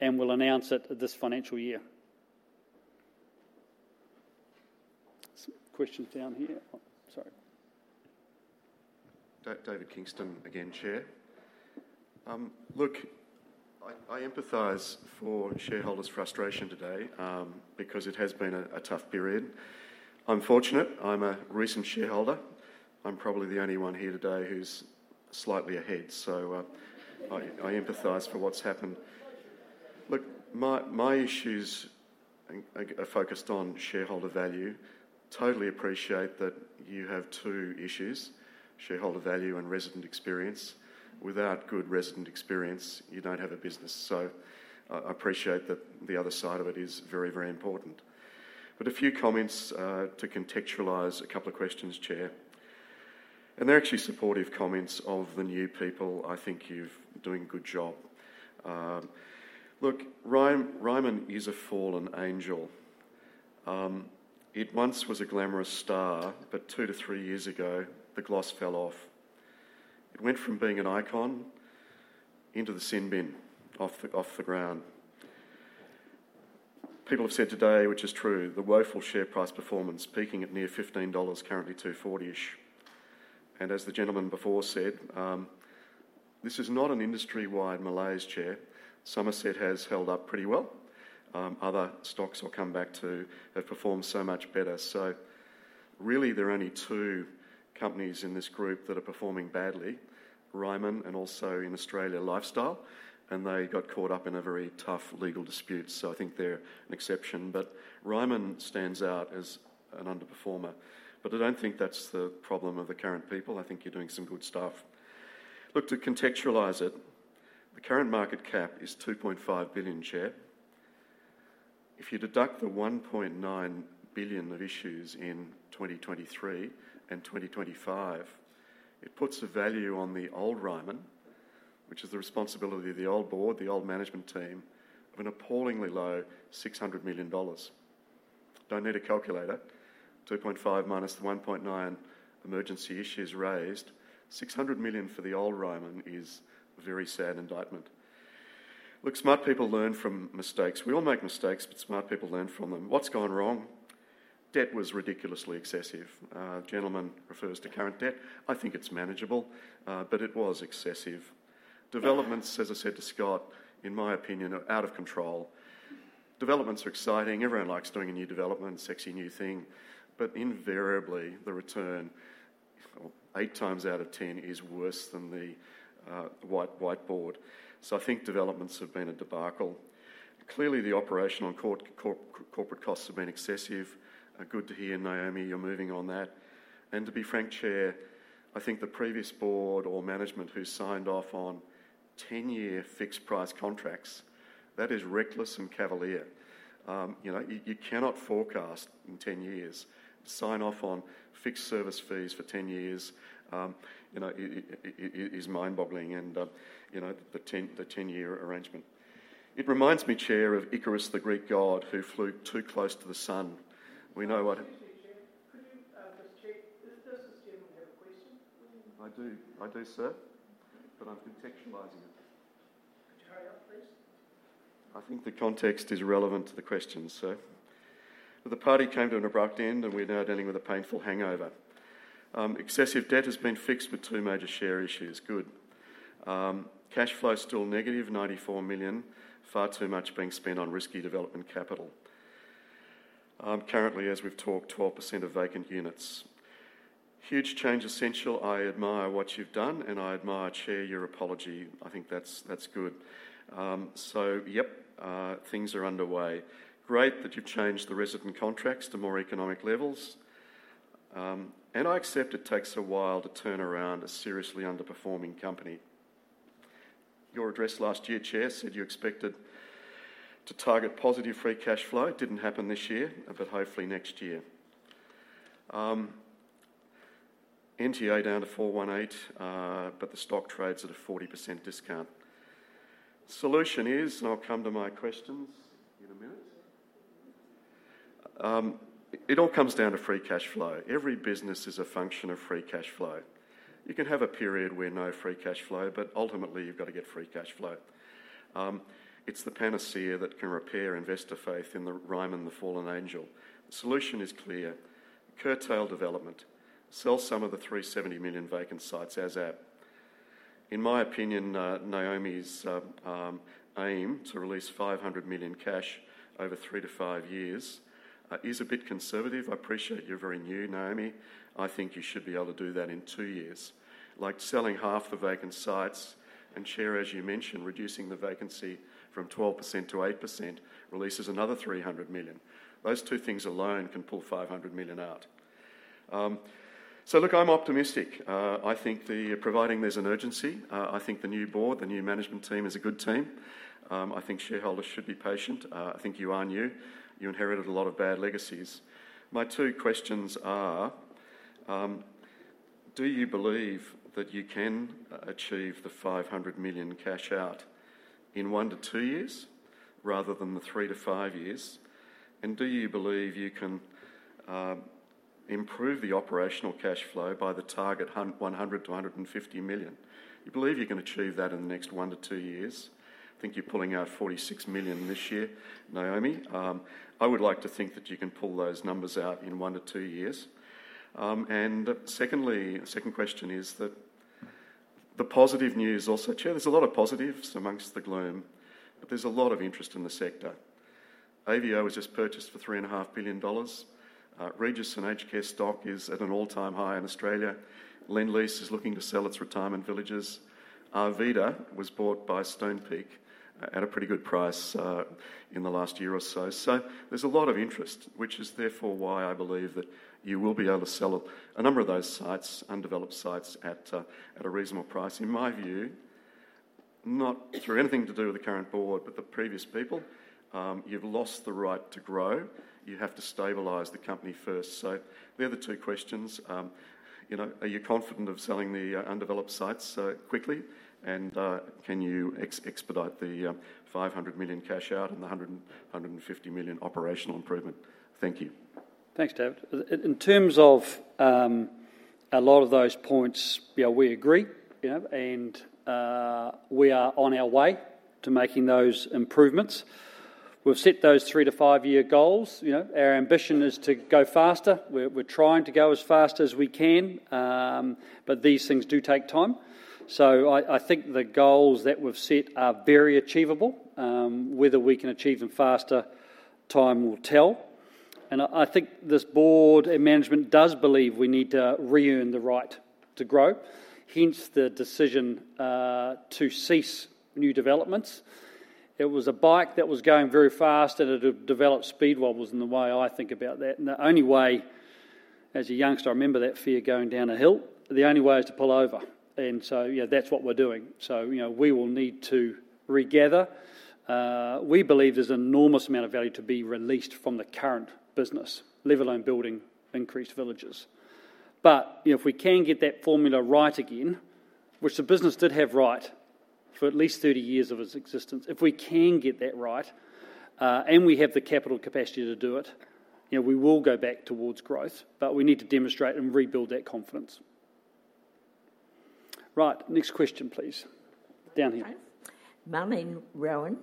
and we'll announce it this financial year. Questions down here. Sorry.
David Kingston, again, Chair. Look, I empathize for shareholders' frustration today because it has been a tough period. Unfortunately, I'm a recent shareholder. I'm probably the only one here today who's slightly ahead. I empathize for what's happened. My issues are focused on shareholder value. Totally appreciate that you have two issues, shareholder value and resident experience. Without good resident experience, you don't have a business. I appreciate that the other side of it is very, very important. A few comments to contextualize a couple of questions, Chair. They're actually supportive comments of the new people. I think you're doing a good job. Ryman is a fallen angel. It once was a glamorous star, but two to three years ago, the gloss fell off. It went from being an icon into the sin bin off the ground. People have said today, which is true, the woeful share price performance peaking at near 15 dollars, currently 2.40-ish. As the gentleman before said, this is not an industry-wide malaise, Chair. Somerset has held up pretty well. Other stocks will come back to have performed so much better. There are only two companies in this group that are performing badly: Ryman and also in Australia, Lifestyle. They got caught up in a very tough legal dispute. I think they're an exception. Ryman stands out as an underperformer. I don't think that's the problem of the current people. I think you're doing some good stuff. To contextualize it, the current market cap is 2.5 billion, Chair. If you deduct the 1.9 billion of issues in 2023 and 2025, it puts a value on the old Ryman, which is the responsibility of the old board, the old management team, of an appallingly low 600 million dollars. Don't need a calculator. 2.5 billion minus the 1.9 billion emergency issues raised, 600 million for the old Ryman is a very sad indictment. Smart people learn from mistakes. We all make mistakes, but smart people learn from them. What's gone wrong? Debt was ridiculously excessive. The gentleman refers to current debt. I think it's manageable, but it was excessive. Developments, as I said to Scott, in my opinion, are out of control. Developments are exciting. Everyone likes doing a new development, sexy new thing. Invariably, the return, if eight times out of ten, is worse than the whiteboard. I think developments have been a debacle. Clearly, the operational corporate costs have been excessive. Good to hear, Naomi, you're moving on that. To be frank, Chair, I think the previous board or management who signed off on 10-year fixed price contracts, that is reckless and cavalier. You cannot forecast in 10 years. To sign off on fixed service fees for 10 years is mind-boggling. You know the 10-year arrangement. It reminds me, Chair, of Icarus, the Greek god who flew too close to the sun. We know what...
Excuse me, Chair, could you just generally have a question?
I do, sir. I'm contextualizing it.
Could you hurry up, please?
I think the context is relevant to the question, sir. The party came to an abrupt end and we're now dealing with a painful hangover. Excessive debt has been fixed with two major share issues. Good. Cash flow is still negative, 94 million, far too much being spent on risky development capital. Currently, as we've talked, 12% of vacant units. Huge change essential. I admire what you've done and I admire, Chair, your apology. I think that's good. Things are underway. Great that you've changed the resident contracts to more economic levels. I accept it takes a while to turn around a seriously underperforming company. Your address last year, Chair, said you expected to target positive free cash flow. It didn't happen this year, but hopefully next year. NTA down to 4.18, but the stock trades at a 40% discount. Solution is, and I'll come to my questions in a minute, it all comes down to free cash flow. Every business is a function of free cash flow. You can have a period where no free cash flow, but ultimately you've got to get free cash flow. It's the panacea that can repair investor faith in Ryman and the fallen angel. The solution is clear. Curtail development. Sell some of the 370 million vacant sites as-at. In my opinion, Naomi's aim to release 500 million cash over three to five years is a bit conservative. I appreciate you're very new, Naomi. I think you should be able to do that in two years. Like selling half the vacant sites and, Chair, as you mentioned, reducing the vacancy from 12% to 8% releases another 300 million. Those two things alone can pull 500 million out. I am optimistic. I think providing there's an urgency, the new board, the new management team is a good team. I think shareholders should be patient. You are new. You inherited a lot of bad legacies. My two questions are, do you believe that you can achieve the 500 million cash out in one to two years rather than the three to five years? Do you believe you can improve the operational cash flow by the target 100 million- 150 million? You believe you can achieve that in the next one to two years. I think you're pulling out 46 million this year, Naomi. I would like to think that you can pull those numbers out in one to two years. The second question is the positive news also, Chair. There's a lot of positives amongst the gloom, but there's a lot of interest in the sector. Aveo was just purchased for 3.5 billion dollars. Regis and HK stock is at an all-time high in Australia. Lendlease is looking to sell its retirement villages. Arvida was bought by Stonepeak at a pretty good price in the last year or so. There's a lot of interest, which is therefore why I believe that you will be able to sell a number of those undeveloped sites at a reasonable price. In my view, not through anything to do with the current board, but the previous people, you've lost the right to grow. You have to stabilize the company first. They're the two questions. Are you confident of selling the undeveloped sites quickly? Can you expedite the 500 million cash out and the 150 million operational improvement? Thank you.
Thanks, David. In terms of a lot of those points, yeah, we agree, you know, and we are on our way to making those improvements. We've set those three to five-year goals. Our ambition is to go faster. We're trying to go as fast as we can, but these things do take time. I think the goals that we've set are very achievable. Whether we can achieve them faster, time will tell. I think this board and management does believe we need to re-earn the right to grow, hence the decision to cease new developments. It was a bike that was going very fast at a developed speed wobble, isn't the way I think about that. The only way, as a youngster, I remember that fear going down a hill. The only way is to pull over. That's what we're doing. We will need to regather. We believe there's an enormous amount of value to be released from the current business, let alone building increased villages. If we can get that formula right again, which the business did have right for at least 30 years of its existence, if we can get that right and we have the capital capacity to do it, we will go back towards growth, but we need to demonstrate and rebuild that confidence. Right, next question, please. Down here.
My name's Rowan.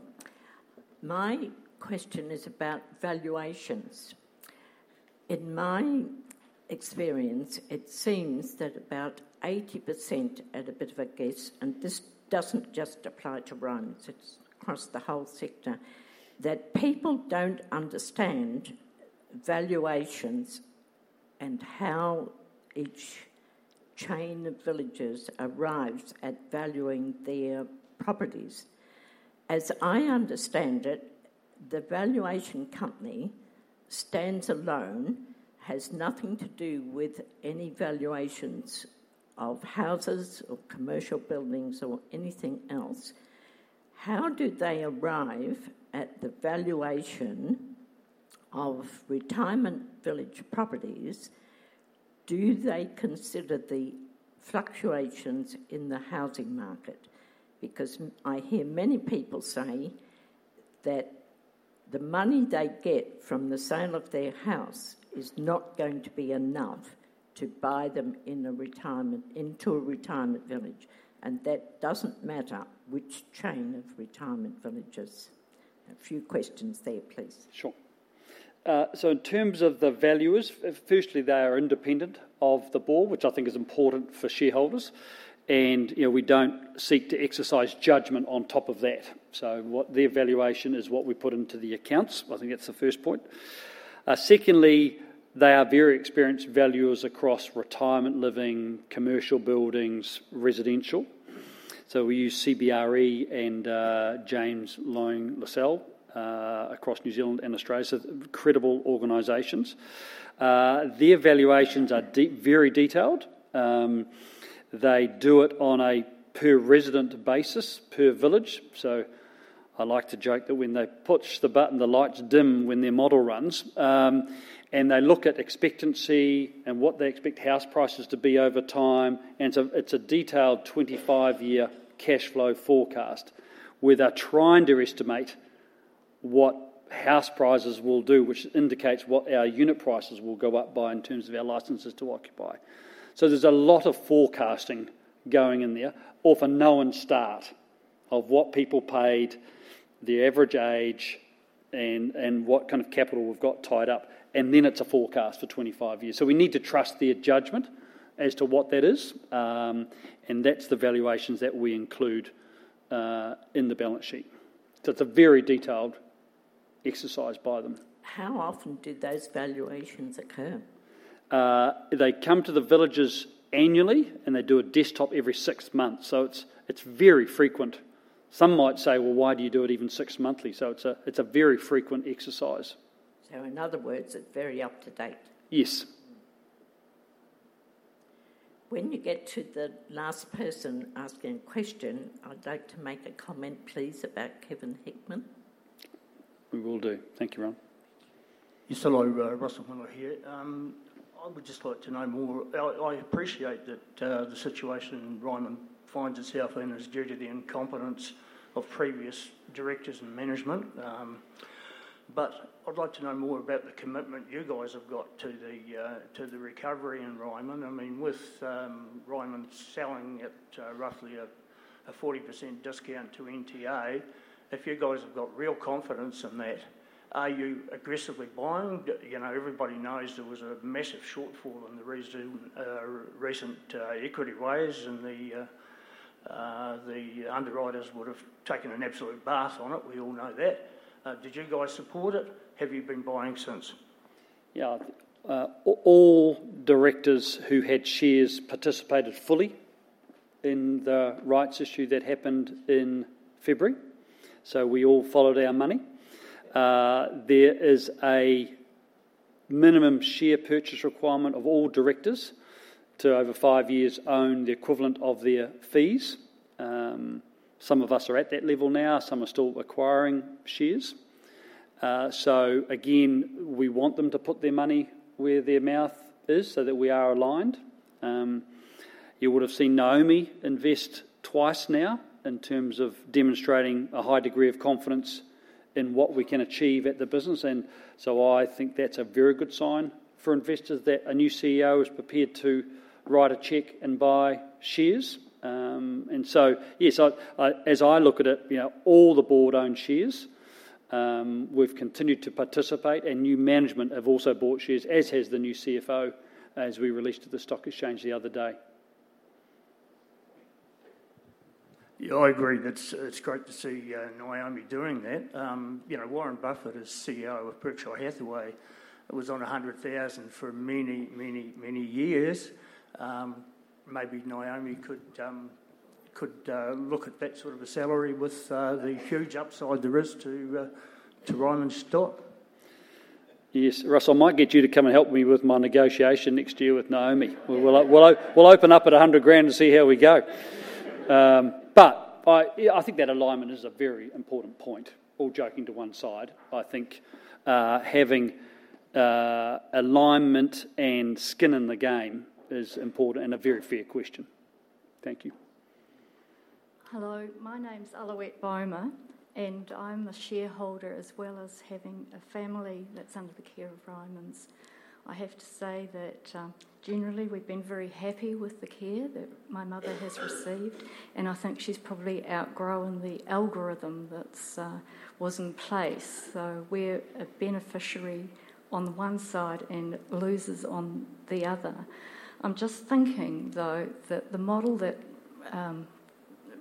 My question is about valuations. In my experience, it seems that about 80%, at a bit of a guess, and this doesn't just apply to Ryman Healthcare, it's across the whole sector, that people don't understand valuations and how each chain of villages arrives at valuing their properties. As I understand it, the valuation company stands alone, has nothing to do with any valuations of houses or commercial buildings or anything else. How do they arrive at the valuation of retirement village properties? Do they consider the fluctuations in the housing market? I hear many people say that the money they get from the sale of their house is not going to be enough to buy them into a retirement village. That doesn't matter which chain of retirement villages. A few questions there, please.
Sure. In terms of the valuers, firstly, they are independent of the board, which I think is important for shareholders. We don't seek to exercise judgment on top of that. What their valuation is, is what we put into the accounts. I think that's the first point. Secondly, they are very experienced valuers across retirement living, commercial buildings, residential. We use CBRE and James Lang LaSalle, across New Zealand and Australia. Credible organizations. Their valuations are very detailed. They do it on a per resident basis, per village. I like to joke that when they push the button, the lights dim when their model runs. They look at expectancy and what they expect house prices to be over time. It's a detailed 25-year cash flow forecast where they're trying to estimate what house prices will do, which indicates what our unit prices will go up by in terms of our licenses to occupy. There's a lot of forecasting going in there, often knowing the start of what people paid, the average age, and what kind of capital we've got tied up. Then it's a forecast for 25 years. We need to trust their judgment as to what that is. That's the valuations that we include in the balance sheet. It's a very detailed exercise by them.
How often do those valuations occur?
They come to the villages annually, and they do a desktop every six months. It is very frequent. Some might say, why do you do it even six monthly? It is a very frequent exercise.
In other words, it's very up to date.
Yes.
When you get to the last person asking a question, I'd like to make a comment, please, about Kevin Hickman.
We will do. Thank you, Ron.
Yes, hello, Russell Miller here. I would just like to know more. I appreciate that the situation Ryman finds itself in is due to the incompetence of previous directors and management. I would like to know more about the commitment you guys have got to the recovery in Ryman Healthcare. I mean, with Ryman Healthcare selling at roughly a 40% discount to NTA, if you guys have got real confidence in that, are you aggressively buying? Everybody knows there was a massive shortfall in the recent equity raise, and the underwriters would have taken an absolute bath on it. We all know that. Did you guys support it? Have you been buying since?
Yeah, all directors who had shares participated fully in the rights issue that happened in February. We all followed our money. There is a minimum share purchase requirement of all directors to over five years own the equivalent of their fees. Some of us are at that level now. Some are still acquiring shares. We want them to put their money where their mouth is so that we are aligned. You would have seen Naomi invest twice now in terms of demonstrating a high degree of confidence in what we can achieve at the business. I think that's a very good sign for investors that a new CEO is prepared to write a check and buy shares. As I look at it, all the board own shares, we've continued to participate, and new management have also bought shares, as has the new CFO, as we released at the stock exchange the other day.
Yeah, I agree. It's great to see Naomi doing that. You know, Warren Buffett, as CEO of Berkshire Hathaway, was on 100,000 for many, many, many years. Maybe Naomi could look at that sort of a salary with the huge upside there is to Ryman stock.
Yes, Russell, I might get you to come and help me with my negotiation next year with Naomi. We'll open up at 100,000 and see how we go. I think that alignment is a very important point. All joking to one side, I think having alignment and skin in the game is important and a very fair question. Thank you.
Hello, my name's Alowette Bomer, and I'm a shareholder as well as having a family that's under the care of Ryman Healthcare. I have to say that generally we've been very happy with the care that my mother has received, and I think she's probably outgrowing the algorithm that was in place. We're a beneficiary on the one side and losers on the other. I'm just thinking though that the model that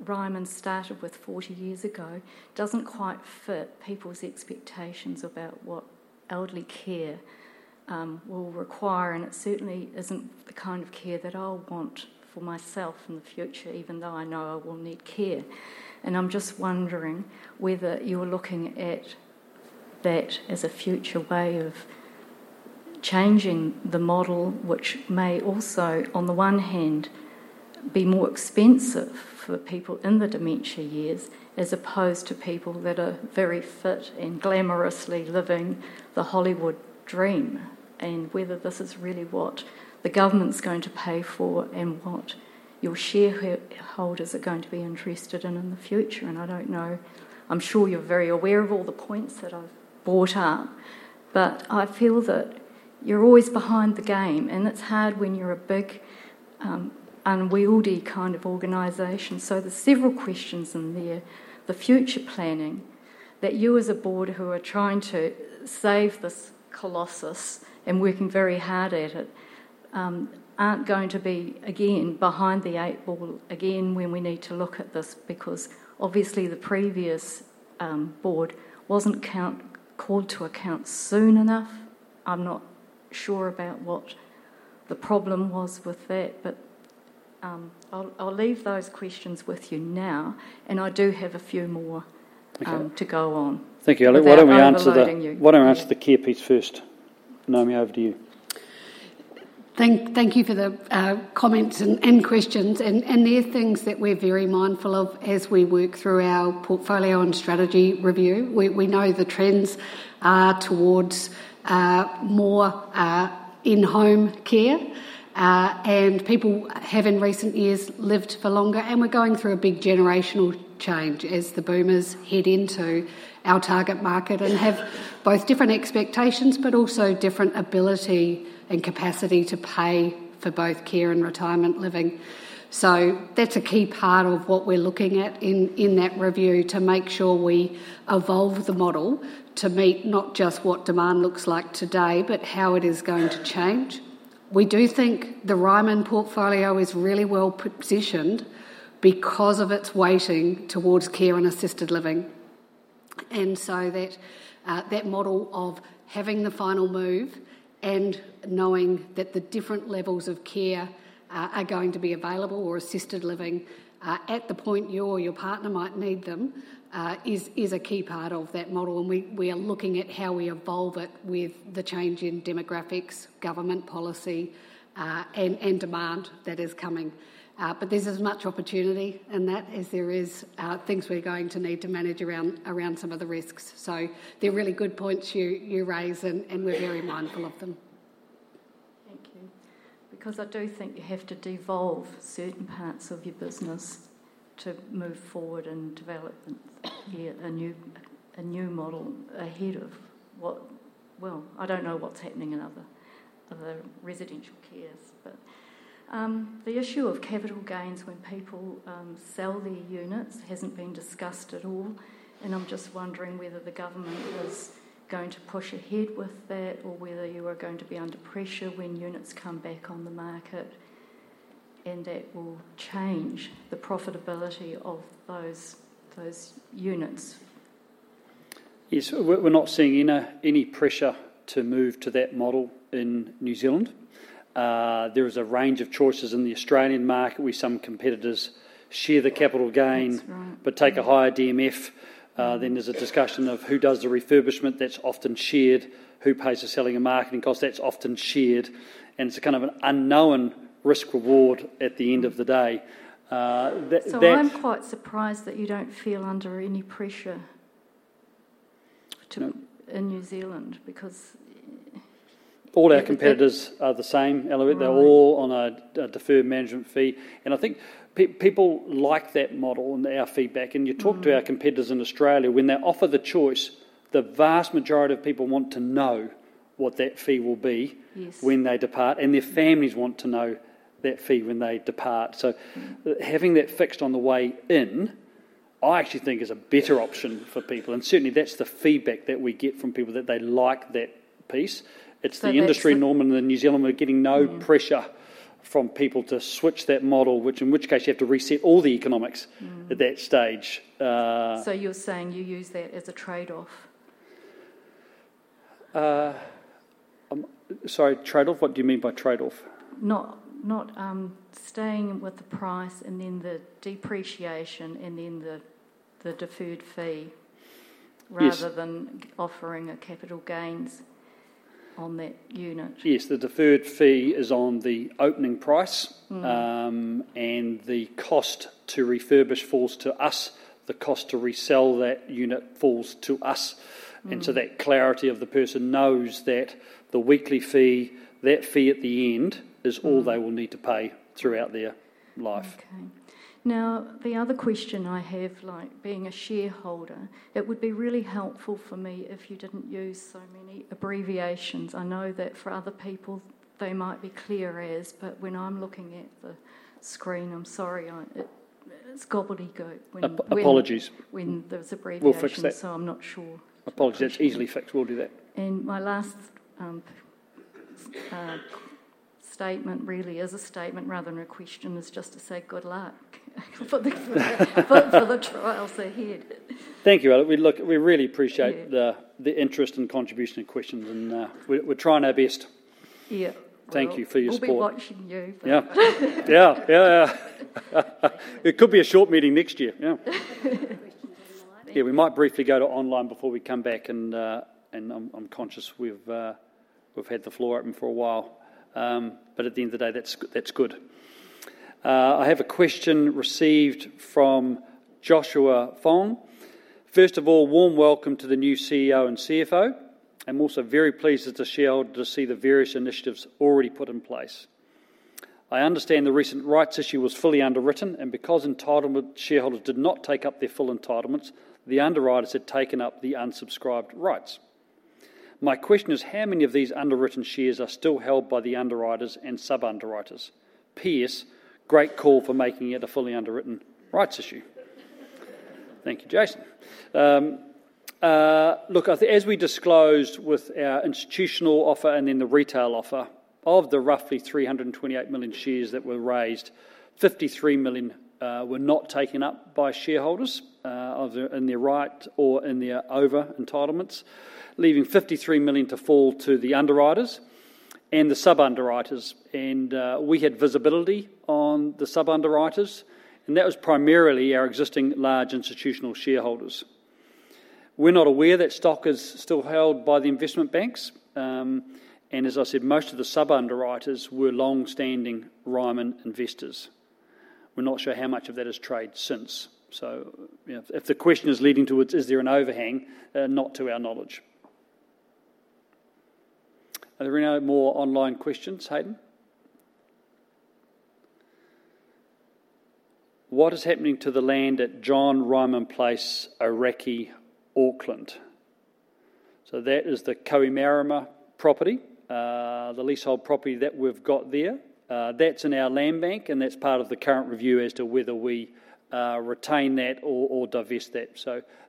Ryman Healthcare started with 40 years ago doesn't quite fit people's expectations about what elderly care will require, and it certainly isn't the kind of care that I'll want for myself in the future, even though I know I will need care. I'm just wondering whether you're looking at that as a future way of changing the model, which may also, on the one hand, be more expensive for people in the dementia years as opposed to people that are very fit and glamorously living the Hollywood dream. Whether this is really what the government's going to pay for and what your shareholders are going to be interested in in the future. I don't know, I'm sure you're very aware of all the points that I've brought up, but I feel that you're always behind the game, and it's hard when you're a big unwieldy kind of organization. There's several questions in there, the future planning that you as a board who are trying to save this colossus and working very hard at it aren't going to be, again, behind the eight ball again when we need to look at this because obviously the previous board wasn't called to account soon enough. I'm not sure about what the problem was with that, but I'll leave those questions with you now, and I do have a few more to go on.
Thank you. Why don't we answer the care piece first? Naomi, over to you.
Thank you for the comments and questions, and there are things that we're very mindful of as we work through our portfolio and strategy review. We know the trends are towards more in-home care, and people have in recent years lived for longer, and we're going through a big generational change as the boomers head into our target market and have both different expectations, but also different ability and capacity to pay for both care and retirement living. That's a key part of what we're looking at in that review to make sure we evolve the model to meet not just what demand looks like today, but how it is going to change. We do think the Ryman Healthcare portfolio is really well positioned because of its weighting towards care and assisted living. That model of having the final move and knowing that the different levels of care are going to be available or assisted living at the point you or your partner might need them is a key part of that model. We are looking at how we evolve it with the change in demographics, government policy, and demand that is coming. There is as much opportunity in that as there are things we're going to need to manage around some of the risks. They're really good points you raise, and we're very mindful of them.
Thank you. I do think you have to devolve certain parts of your business to move forward in development. A new model ahead of what, I don't know what's happening in other residential cares. The issue of capital gains when people sell their units hasn't been discussed at all. I'm just wondering whether the government is going to push ahead with that or whether you are going to be under pressure when units come back on the market and that will change the profitability of those units.
Yes, we're not seeing any pressure to move to that model in New Zealand. There is a range of choices in the Australian market where some competitors share the capital gain but take a higher DMF. There is a discussion of who does the refurbishment that's often shared, who pays the selling and marketing cost that's often shared. It's a kind of an unknown risk-reward at the end of the day.
I'm quite surprised that you don't feel under any pressure in New Zealand because.
All our competitors are the same, Aloutte. They're all on a deferred management fee. I think people like that model and our feedback. You talk to our competitors in Australia, when they offer the choice, the vast majority of people want to know what that fee will be when they depart. Their families want to know that fee when they depart. Having that fixed on the way in, I actually think is a better option for people. Certainly that's the feedback that we get from people, that they like that piece. It's the industry norm in New Zealand. We're getting no pressure from people to switch that model, in which case you have to reset all the economics at that stage.
You're saying you use that as a trade-off?
Sorry, trade-off? What do you mean by trade-off?
Not staying with the price and then the depreciation and then the deferred fee rather than offering a capital gains on that unit.
Yes, the deferred fee is on the opening price. The cost to refurbish falls to us, and the cost to resell that unit falls to us. That clarity means the person knows that the weekly fee and that fee at the end is all they will need to pay throughout their life.
Okay. Now, the other question I have, like being a shareholder, it would be really helpful for me if you didn't use so many abbreviations. I know that for other people, they might be clear as, but when I'm looking at the screen, I'm sorry, it's gobbledygook when.
Apologies.
When there's abbreviations, I'm not sure.
Apologies, that's easily fixed. We'll do that.
My last statement really is a statement rather than a question, just to say good luck for the trials ahead.
Thank you, Aloutte. We really appreciate the interest and contribution of questions, and we're trying our best.
Yeah.
Thank you for your support.
will be watching you.
It could be a short meeting next year. We might briefly go to online before we come back, and I'm conscious we've had the floor open for a while. At the end of the day, that's good. I have a question received from Joshua Fong. First of all, warm welcome to the new CEO and CFO. I'm also very pleased as a shareholder to see the various initiatives already put in place. I understand the recent rights issue was fully underwritten, and because entitlement shareholders did not take up their full entitlements, the underwriters had taken up the unsubscribed rights. My question is, how many of these underwritten shares are still held by the underwriters and sub-underwriters? PS, great call for making it a fully underwritten rights issue. Thank you, Jashua. As we disclosed with our institutional offer and then the retail offer, of the roughly 328 million shares that were raised, 53 million were not taken up by shareholders in their right or in their over entitlements, leaving 53 million to fall to the underwriters and the sub-underwriters. We had visibility on the sub-underwriters, and that was primarily our existing large institutional shareholders. We're not aware that stock is still held by the investment banks. As I said, most of the sub-underwriters were long-standing Ryman investors. We're not sure how much of that has traded since. If the question is leading towards, is there an overhang? Not to our knowledge. Are there any more online questions? Hayden. What is happening to the land at John Ryman Place, Areki, Auckland? That is the Kohi Marama property, the leasehold property that we've got there. That's in our land bank, and that's part of the current review as to whether we retain that or divest that.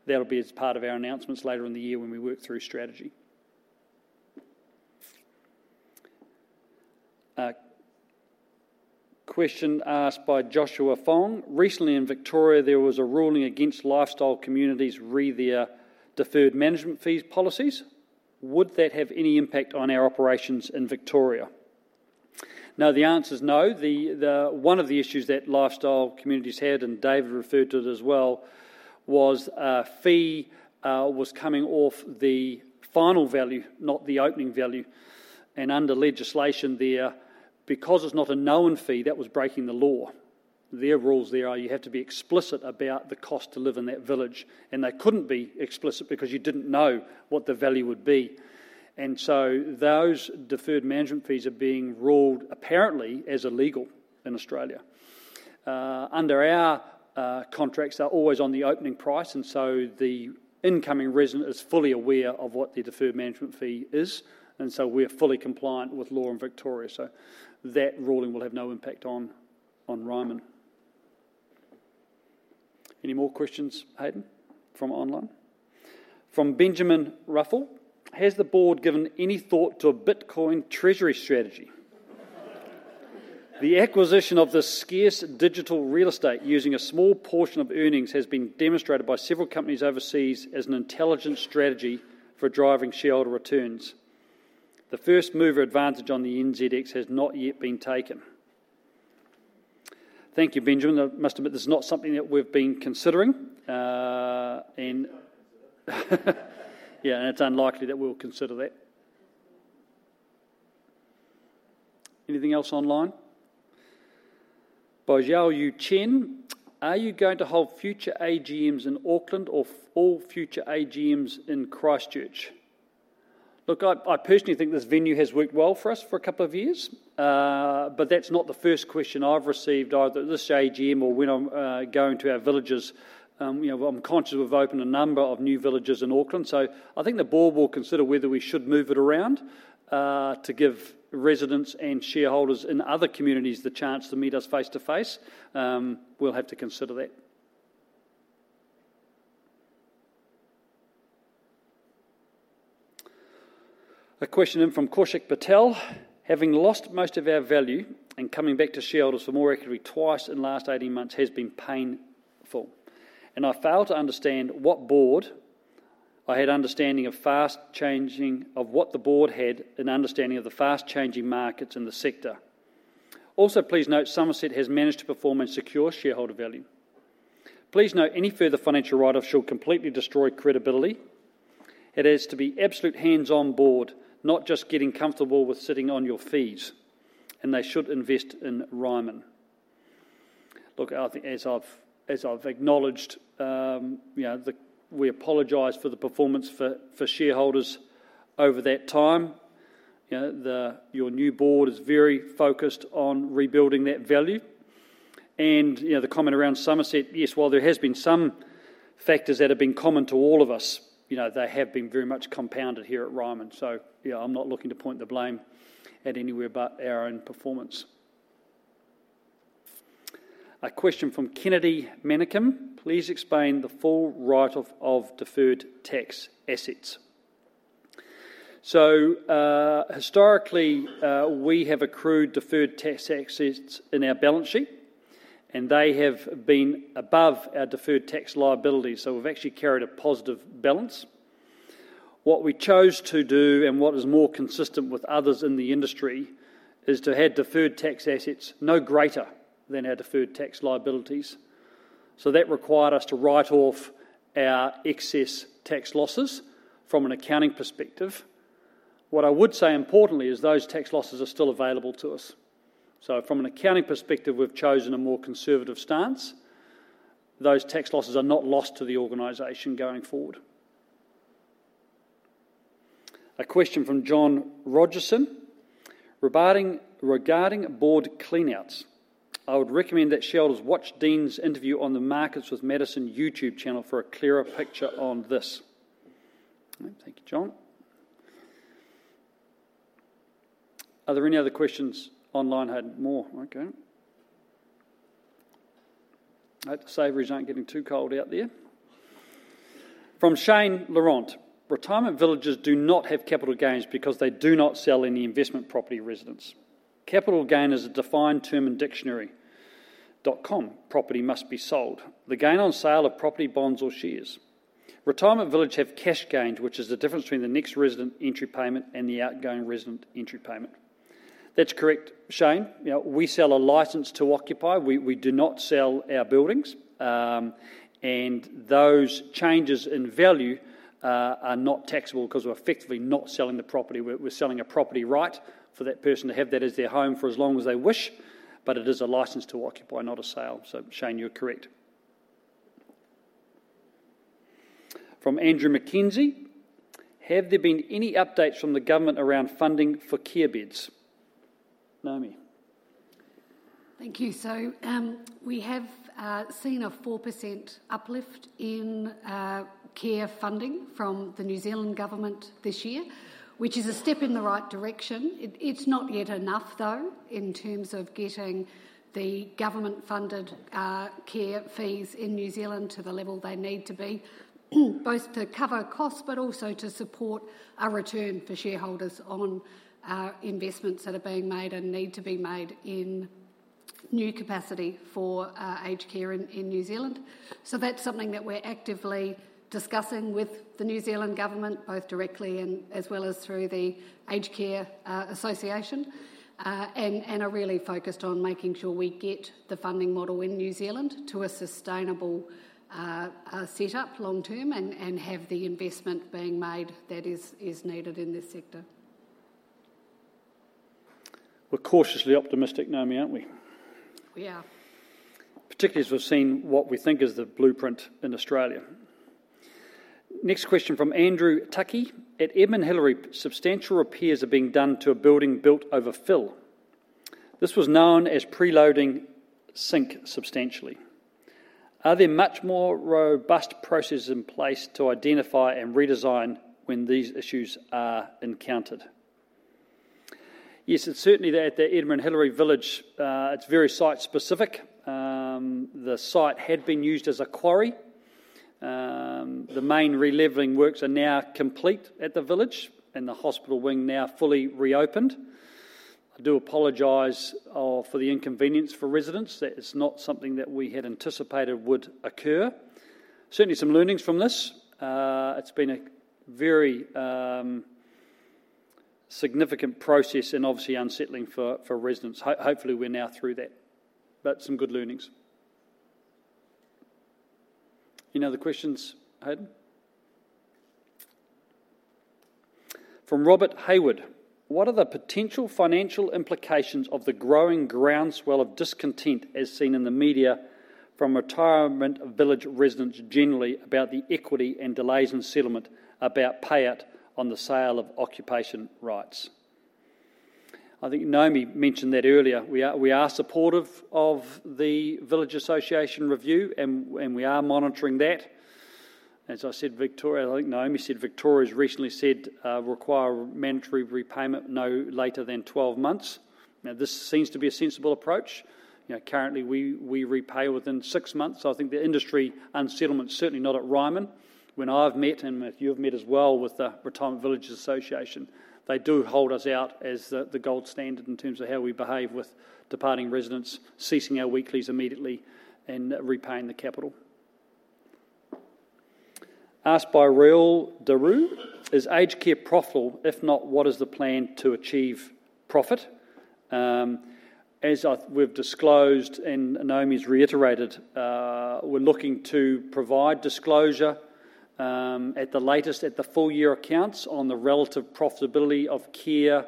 That will be as part of our announcements later in the year when we work through strategy. Question asked by Joshua Fong. Recently in Victoria, there was a ruling against Lifestyle Communities regarding their deferred management fees policies. Would that have any impact on our operations in Victoria? No, the answer is no. One of the issues that Lifestyle Communities had, and David referred to it as well, was a fee was coming off the final value, not the opening value. Under legislation there, because it's not a known fee, that was breaking the law. Their rules there are you have to be explicit about the cost to live in that village, and they couldn't be explicit because you didn't know what the value would be. Those deferred management fees are being ruled apparently as illegal in Australia. Under our contracts, they're always on the opening price, and so the incoming resident is fully aware of what the deferred management fee is. We're fully compliant with law in Victoria. That ruling will have no impact on Ryman. Any more questions, Hayden, from online? From Benjamin Ruffle, has the board given any thought to a Bitcoin treasury strategy? The acquisition of the scarce digital real estate using a small portion of earnings has been demonstrated by several companies overseas as an intelligent strategy for driving shareholder returns. The first mover advantage on the NZX has not yet been taken. Thank you, Benjamin. I must admit this is not something that we've been considering. It's unlikely that we'll consider that. Anything else online? Bojiao Yu Chen, are you going to hold future AGMs in Auckland or all future AGMs in Christchurch? I personally think this venue has worked well for us for a couple of years, but that's not the first question I've received either. This AGM or when I'm going to our villages, I'm conscious we've opened a number of new villages in Auckland. I think the board will consider whether we should move it around to give residents and shareholders in other communities the chance to meet us face to face. We'll have to consider that. A question in from Kaushik Patel. Having lost most of our value and coming back to shareholders for more equity twice in the last 18 months has been painful. I fail to understand what board I had understanding of fast changing of what the board had an understanding of the fast changing markets in the sector. Also, please note Summerset has managed to perform and secure shareholder value. Please note any further financial write-offs should completely destroy credibility. It is to be absolute hands-on board, not just getting comfortable with sitting on your fees. They should invest in Ryman. As I've acknowledged, we apologize for the performance for shareholders over that time. Your new board is very focused on rebuilding that value. The comment around Summerset, yes, while there have been some factors that have been common to all of us, they have been very much compounded here at Ryman. I'm not looking to point the blame at anywhere but our own performance. A question from Kennedy Man: Please explain the full write-off of deferred tax assets. Historically, we have accrued deferred tax assets in our balance sheet, and they have been above our deferred tax liabilities. We've actually carried a positive balance. What we chose to do, and what is more consistent with others in the industry, is to have deferred tax assets no greater than our deferred tax liabilities. That required us to write off our excess tax losses from an accounting perspective. What I would say importantly is those tax losses are still available to us. From an accounting perspective, we've chosen a more conservative stance. Those tax losses are not lost to the organization going forward. A question from John Rogerson regarding board clean-outs. I would recommend that shareholders watch Dean's interview on the Markets with Medicine YouTube channel for a clearer picture on this. Thank you, John. Are there any other questions online, Hayden? More. Okay. Note the savories aren't getting too cold out there. From Shane Laurent: Retirement villages do not have capital gains because they do not sell any investment property residents. Capital gain is a defined term in dictionary.com. Property must be sold. The gain on sale of property, bonds, or shares. Retirement villages have cash gains, which is the difference between the next resident entry payment and the outgoing resident entry payment. That's correct, Shane. We sell a license to occupy. We do not sell our buildings, and those changes in value are not taxable because we're effectively not selling the property. We're selling a property right for that person to have that as their home for as long as they wish, but it is a license to occupy, not a sale. Shane, you're correct. From Andrew McKinsey: Have there been any updates from the government around funding for care beds? Naomi.
Thank you. We have seen a 4% uplift in care funding from the New Zealand government this year, which is a step in the right direction. It's not yet enough, though, in terms of getting the government-funded care fees in New Zealand to the level they need to be, both to cover costs, but also to support a return for shareholders on investments that are being made and need to be made in new capacity for aged care in New Zealand. That's something that we're actively discussing with the New Zealand government, both directly and as well as through the Aged Care Association. We are really focused on making sure we get the funding model in New Zealand to a sustainable setup long-term and have the investment being made that is needed in this sector.
We're cautiously optimistic, Naomi, aren't we?
We are.
Particularly as we've seen what we think is the blueprint in Australia. Next question from Andrew Tuckey. At Edmund Hillary, substantial repairs are being done to a building built over fill. This was known as preloading sink substantially. Are there much more robust processes in place to identify and redesign when these issues are encountered? Yes, certainly at the Edmund Hillary Village, it's very site-specific. The site had been used as a quarry. The main reliving works are now complete at the village, and the hospital wing is now fully reopened. I do apologize for the inconvenience for residents. It's not something that we had anticipated would occur. Certainly some learnings from this. It's been a very significant process and obviously unsettling for residents. Hopefully, we're now through that. Some good learnings. Any other questions, Hayden? From Robert Hayward. What are the potential financial implications of the growing groundswell of discontent as seen in the media from retirement village residents generally about the equity and delays in settlement about payout on the sale of occupation rights? I think Naomi mentioned that earlier. We are supportive of the Village Association review, and we are monitoring that. As I said, Victoria, I think Naomi said Victoria's recently said require mandatory repayment no later than 12 months. This seems to be a sensible approach. Currently, we repay within six months. I think the industry unsettlement is certainly not at Ryman. When I've met, and you've met as well with the Retirement Villages Association, they do hold us out as the gold standard in terms of how we behave with departing residents, ceasing our weeklies immediately, and repaying the capital. Asked by Raul Daru, is aged care profitable? If not, what is the plan to achieve profit? As we've disclosed and Naomi's reiterated, we're looking to provide disclosure at the latest at the full-year accounts on the relative profitability of care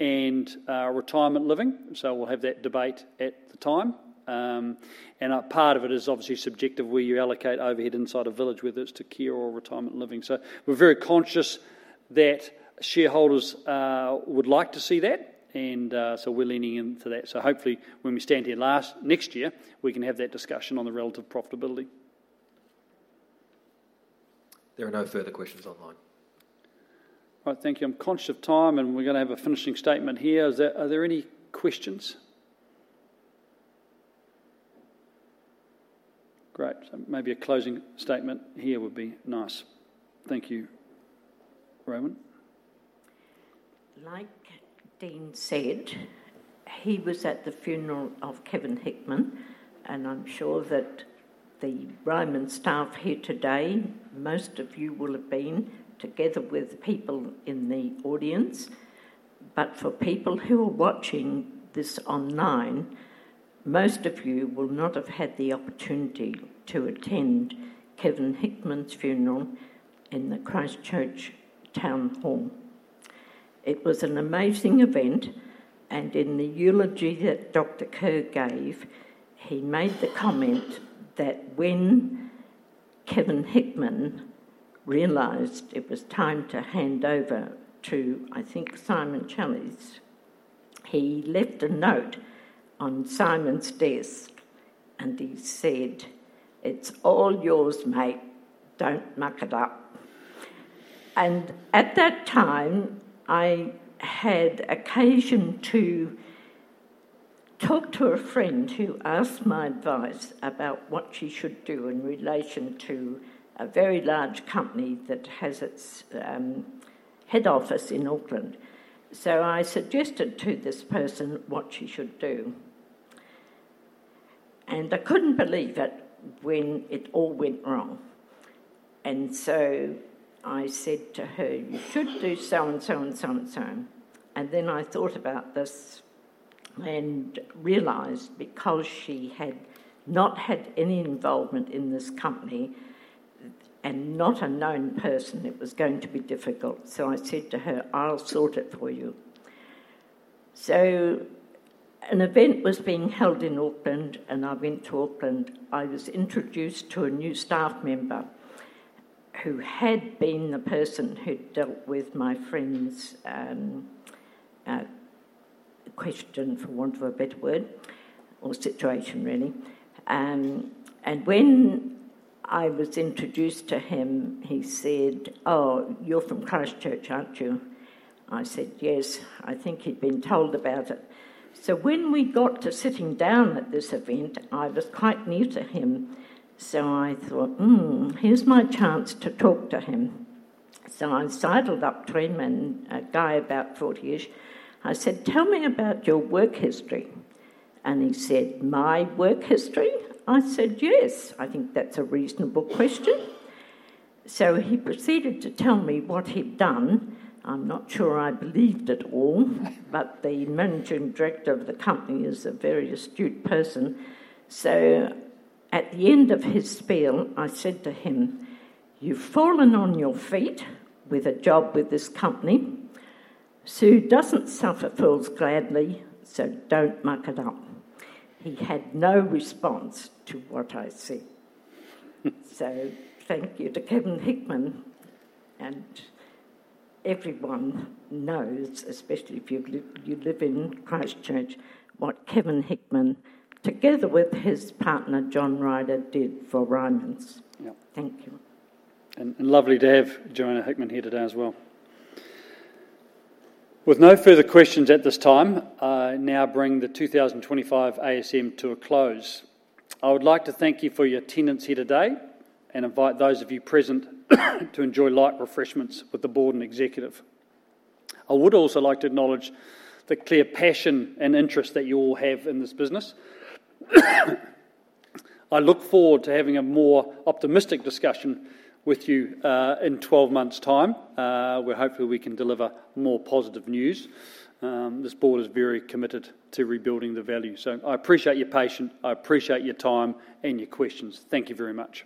and retirement living. We'll have that debate at the time. Part of it is obviously subjective where you allocate overhead inside a village, whether it's to care or retirement living. We're very conscious that shareholders would like to see that. We're leaning into that. Hopefully, when we stand here next year, we can have that discussion on the relative profitability.
There are no further questions online.
All right, thank you. I'm conscious of time, and we're going to have a finishing statement here. Are there any questions? Great. Maybe a closing statement here would be nice. Thank you. Rowan.
Like Dean said, he was at the funeral of Kevin Hickman, and I'm sure that the Ryman staff here today, most of you will have been together with people in the audience. For people who are watching this online, most of you will not have had the opportunity to attend Kevin Hickman's funeral in the Christchurch Town Hall. It was an amazing event, and in the eulogy that Dr. Kerr gave, he made the comment that when Kevin Hickman realized it was time to hand over to, I think, Simon Challies, he left a note on Simon's desk, and he said, "It's all yours, mate. Don't muck it up." At that time, I had occasion to talk to a friend who asked my advice about what she should do in relation to a very large company that has its head office in Auckland. I suggested to this person what she should do. I couldn't believe it when it all went wrong. I said to her, "You should do so and so and so and so." I thought about this and realized because she had not had any involvement in this company and not a known person, it was going to be difficult. I said to her, "I'll sort it for you." An event was being held in Auckland, and I went to Auckland. I was introduced to a new staff member who had been the person who dealt with my friend's question, for want of a better word, or situation really. When I was introduced to him, he said, "Oh, you're from Christchurch, aren't you?" I said, "Yes." I think he'd been told about it. When we got to sitting down at this event, I was quite new to him. I thought, here's my chance to talk to him. I sidled up to him and a guy about 40-ish. I said, "Tell me about your work history." He said, "My work history?" I said, "Yes, I think that's a reasonable question." He proceeded to tell me what he'd done. I'm not sure I believed it all, but the Managing Director of the company is a very astute person. At the end of his spiel, I said to him, "You've fallen on your feet with a job with this company. Sue doesn't suffer fools gladly, so don't muck it up." He had no response to what I said. Thank you to Kevin Hickman. Everyone knows, especially if you live in Christchurch, what Kevin Hickman, together with his partner John Ryder, did for Ryman Healthcare. Thank you.
is lovely to have Joanna Hickman here today as well. With no further questions at this time, I now bring the 2025 ASM to a close. I would like to thank you for your attendance here today and invite those of you present to enjoy light refreshments with the board and executive. I would also like to acknowledge the clear passion and interest that you all have in this business. I look forward to having a more optimistic discussion with you in 12 months' time, where hopefully we can deliver more positive news. This board is very committed to rebuilding the value. I appreciate your patience, your time, and your questions. Thank you very much.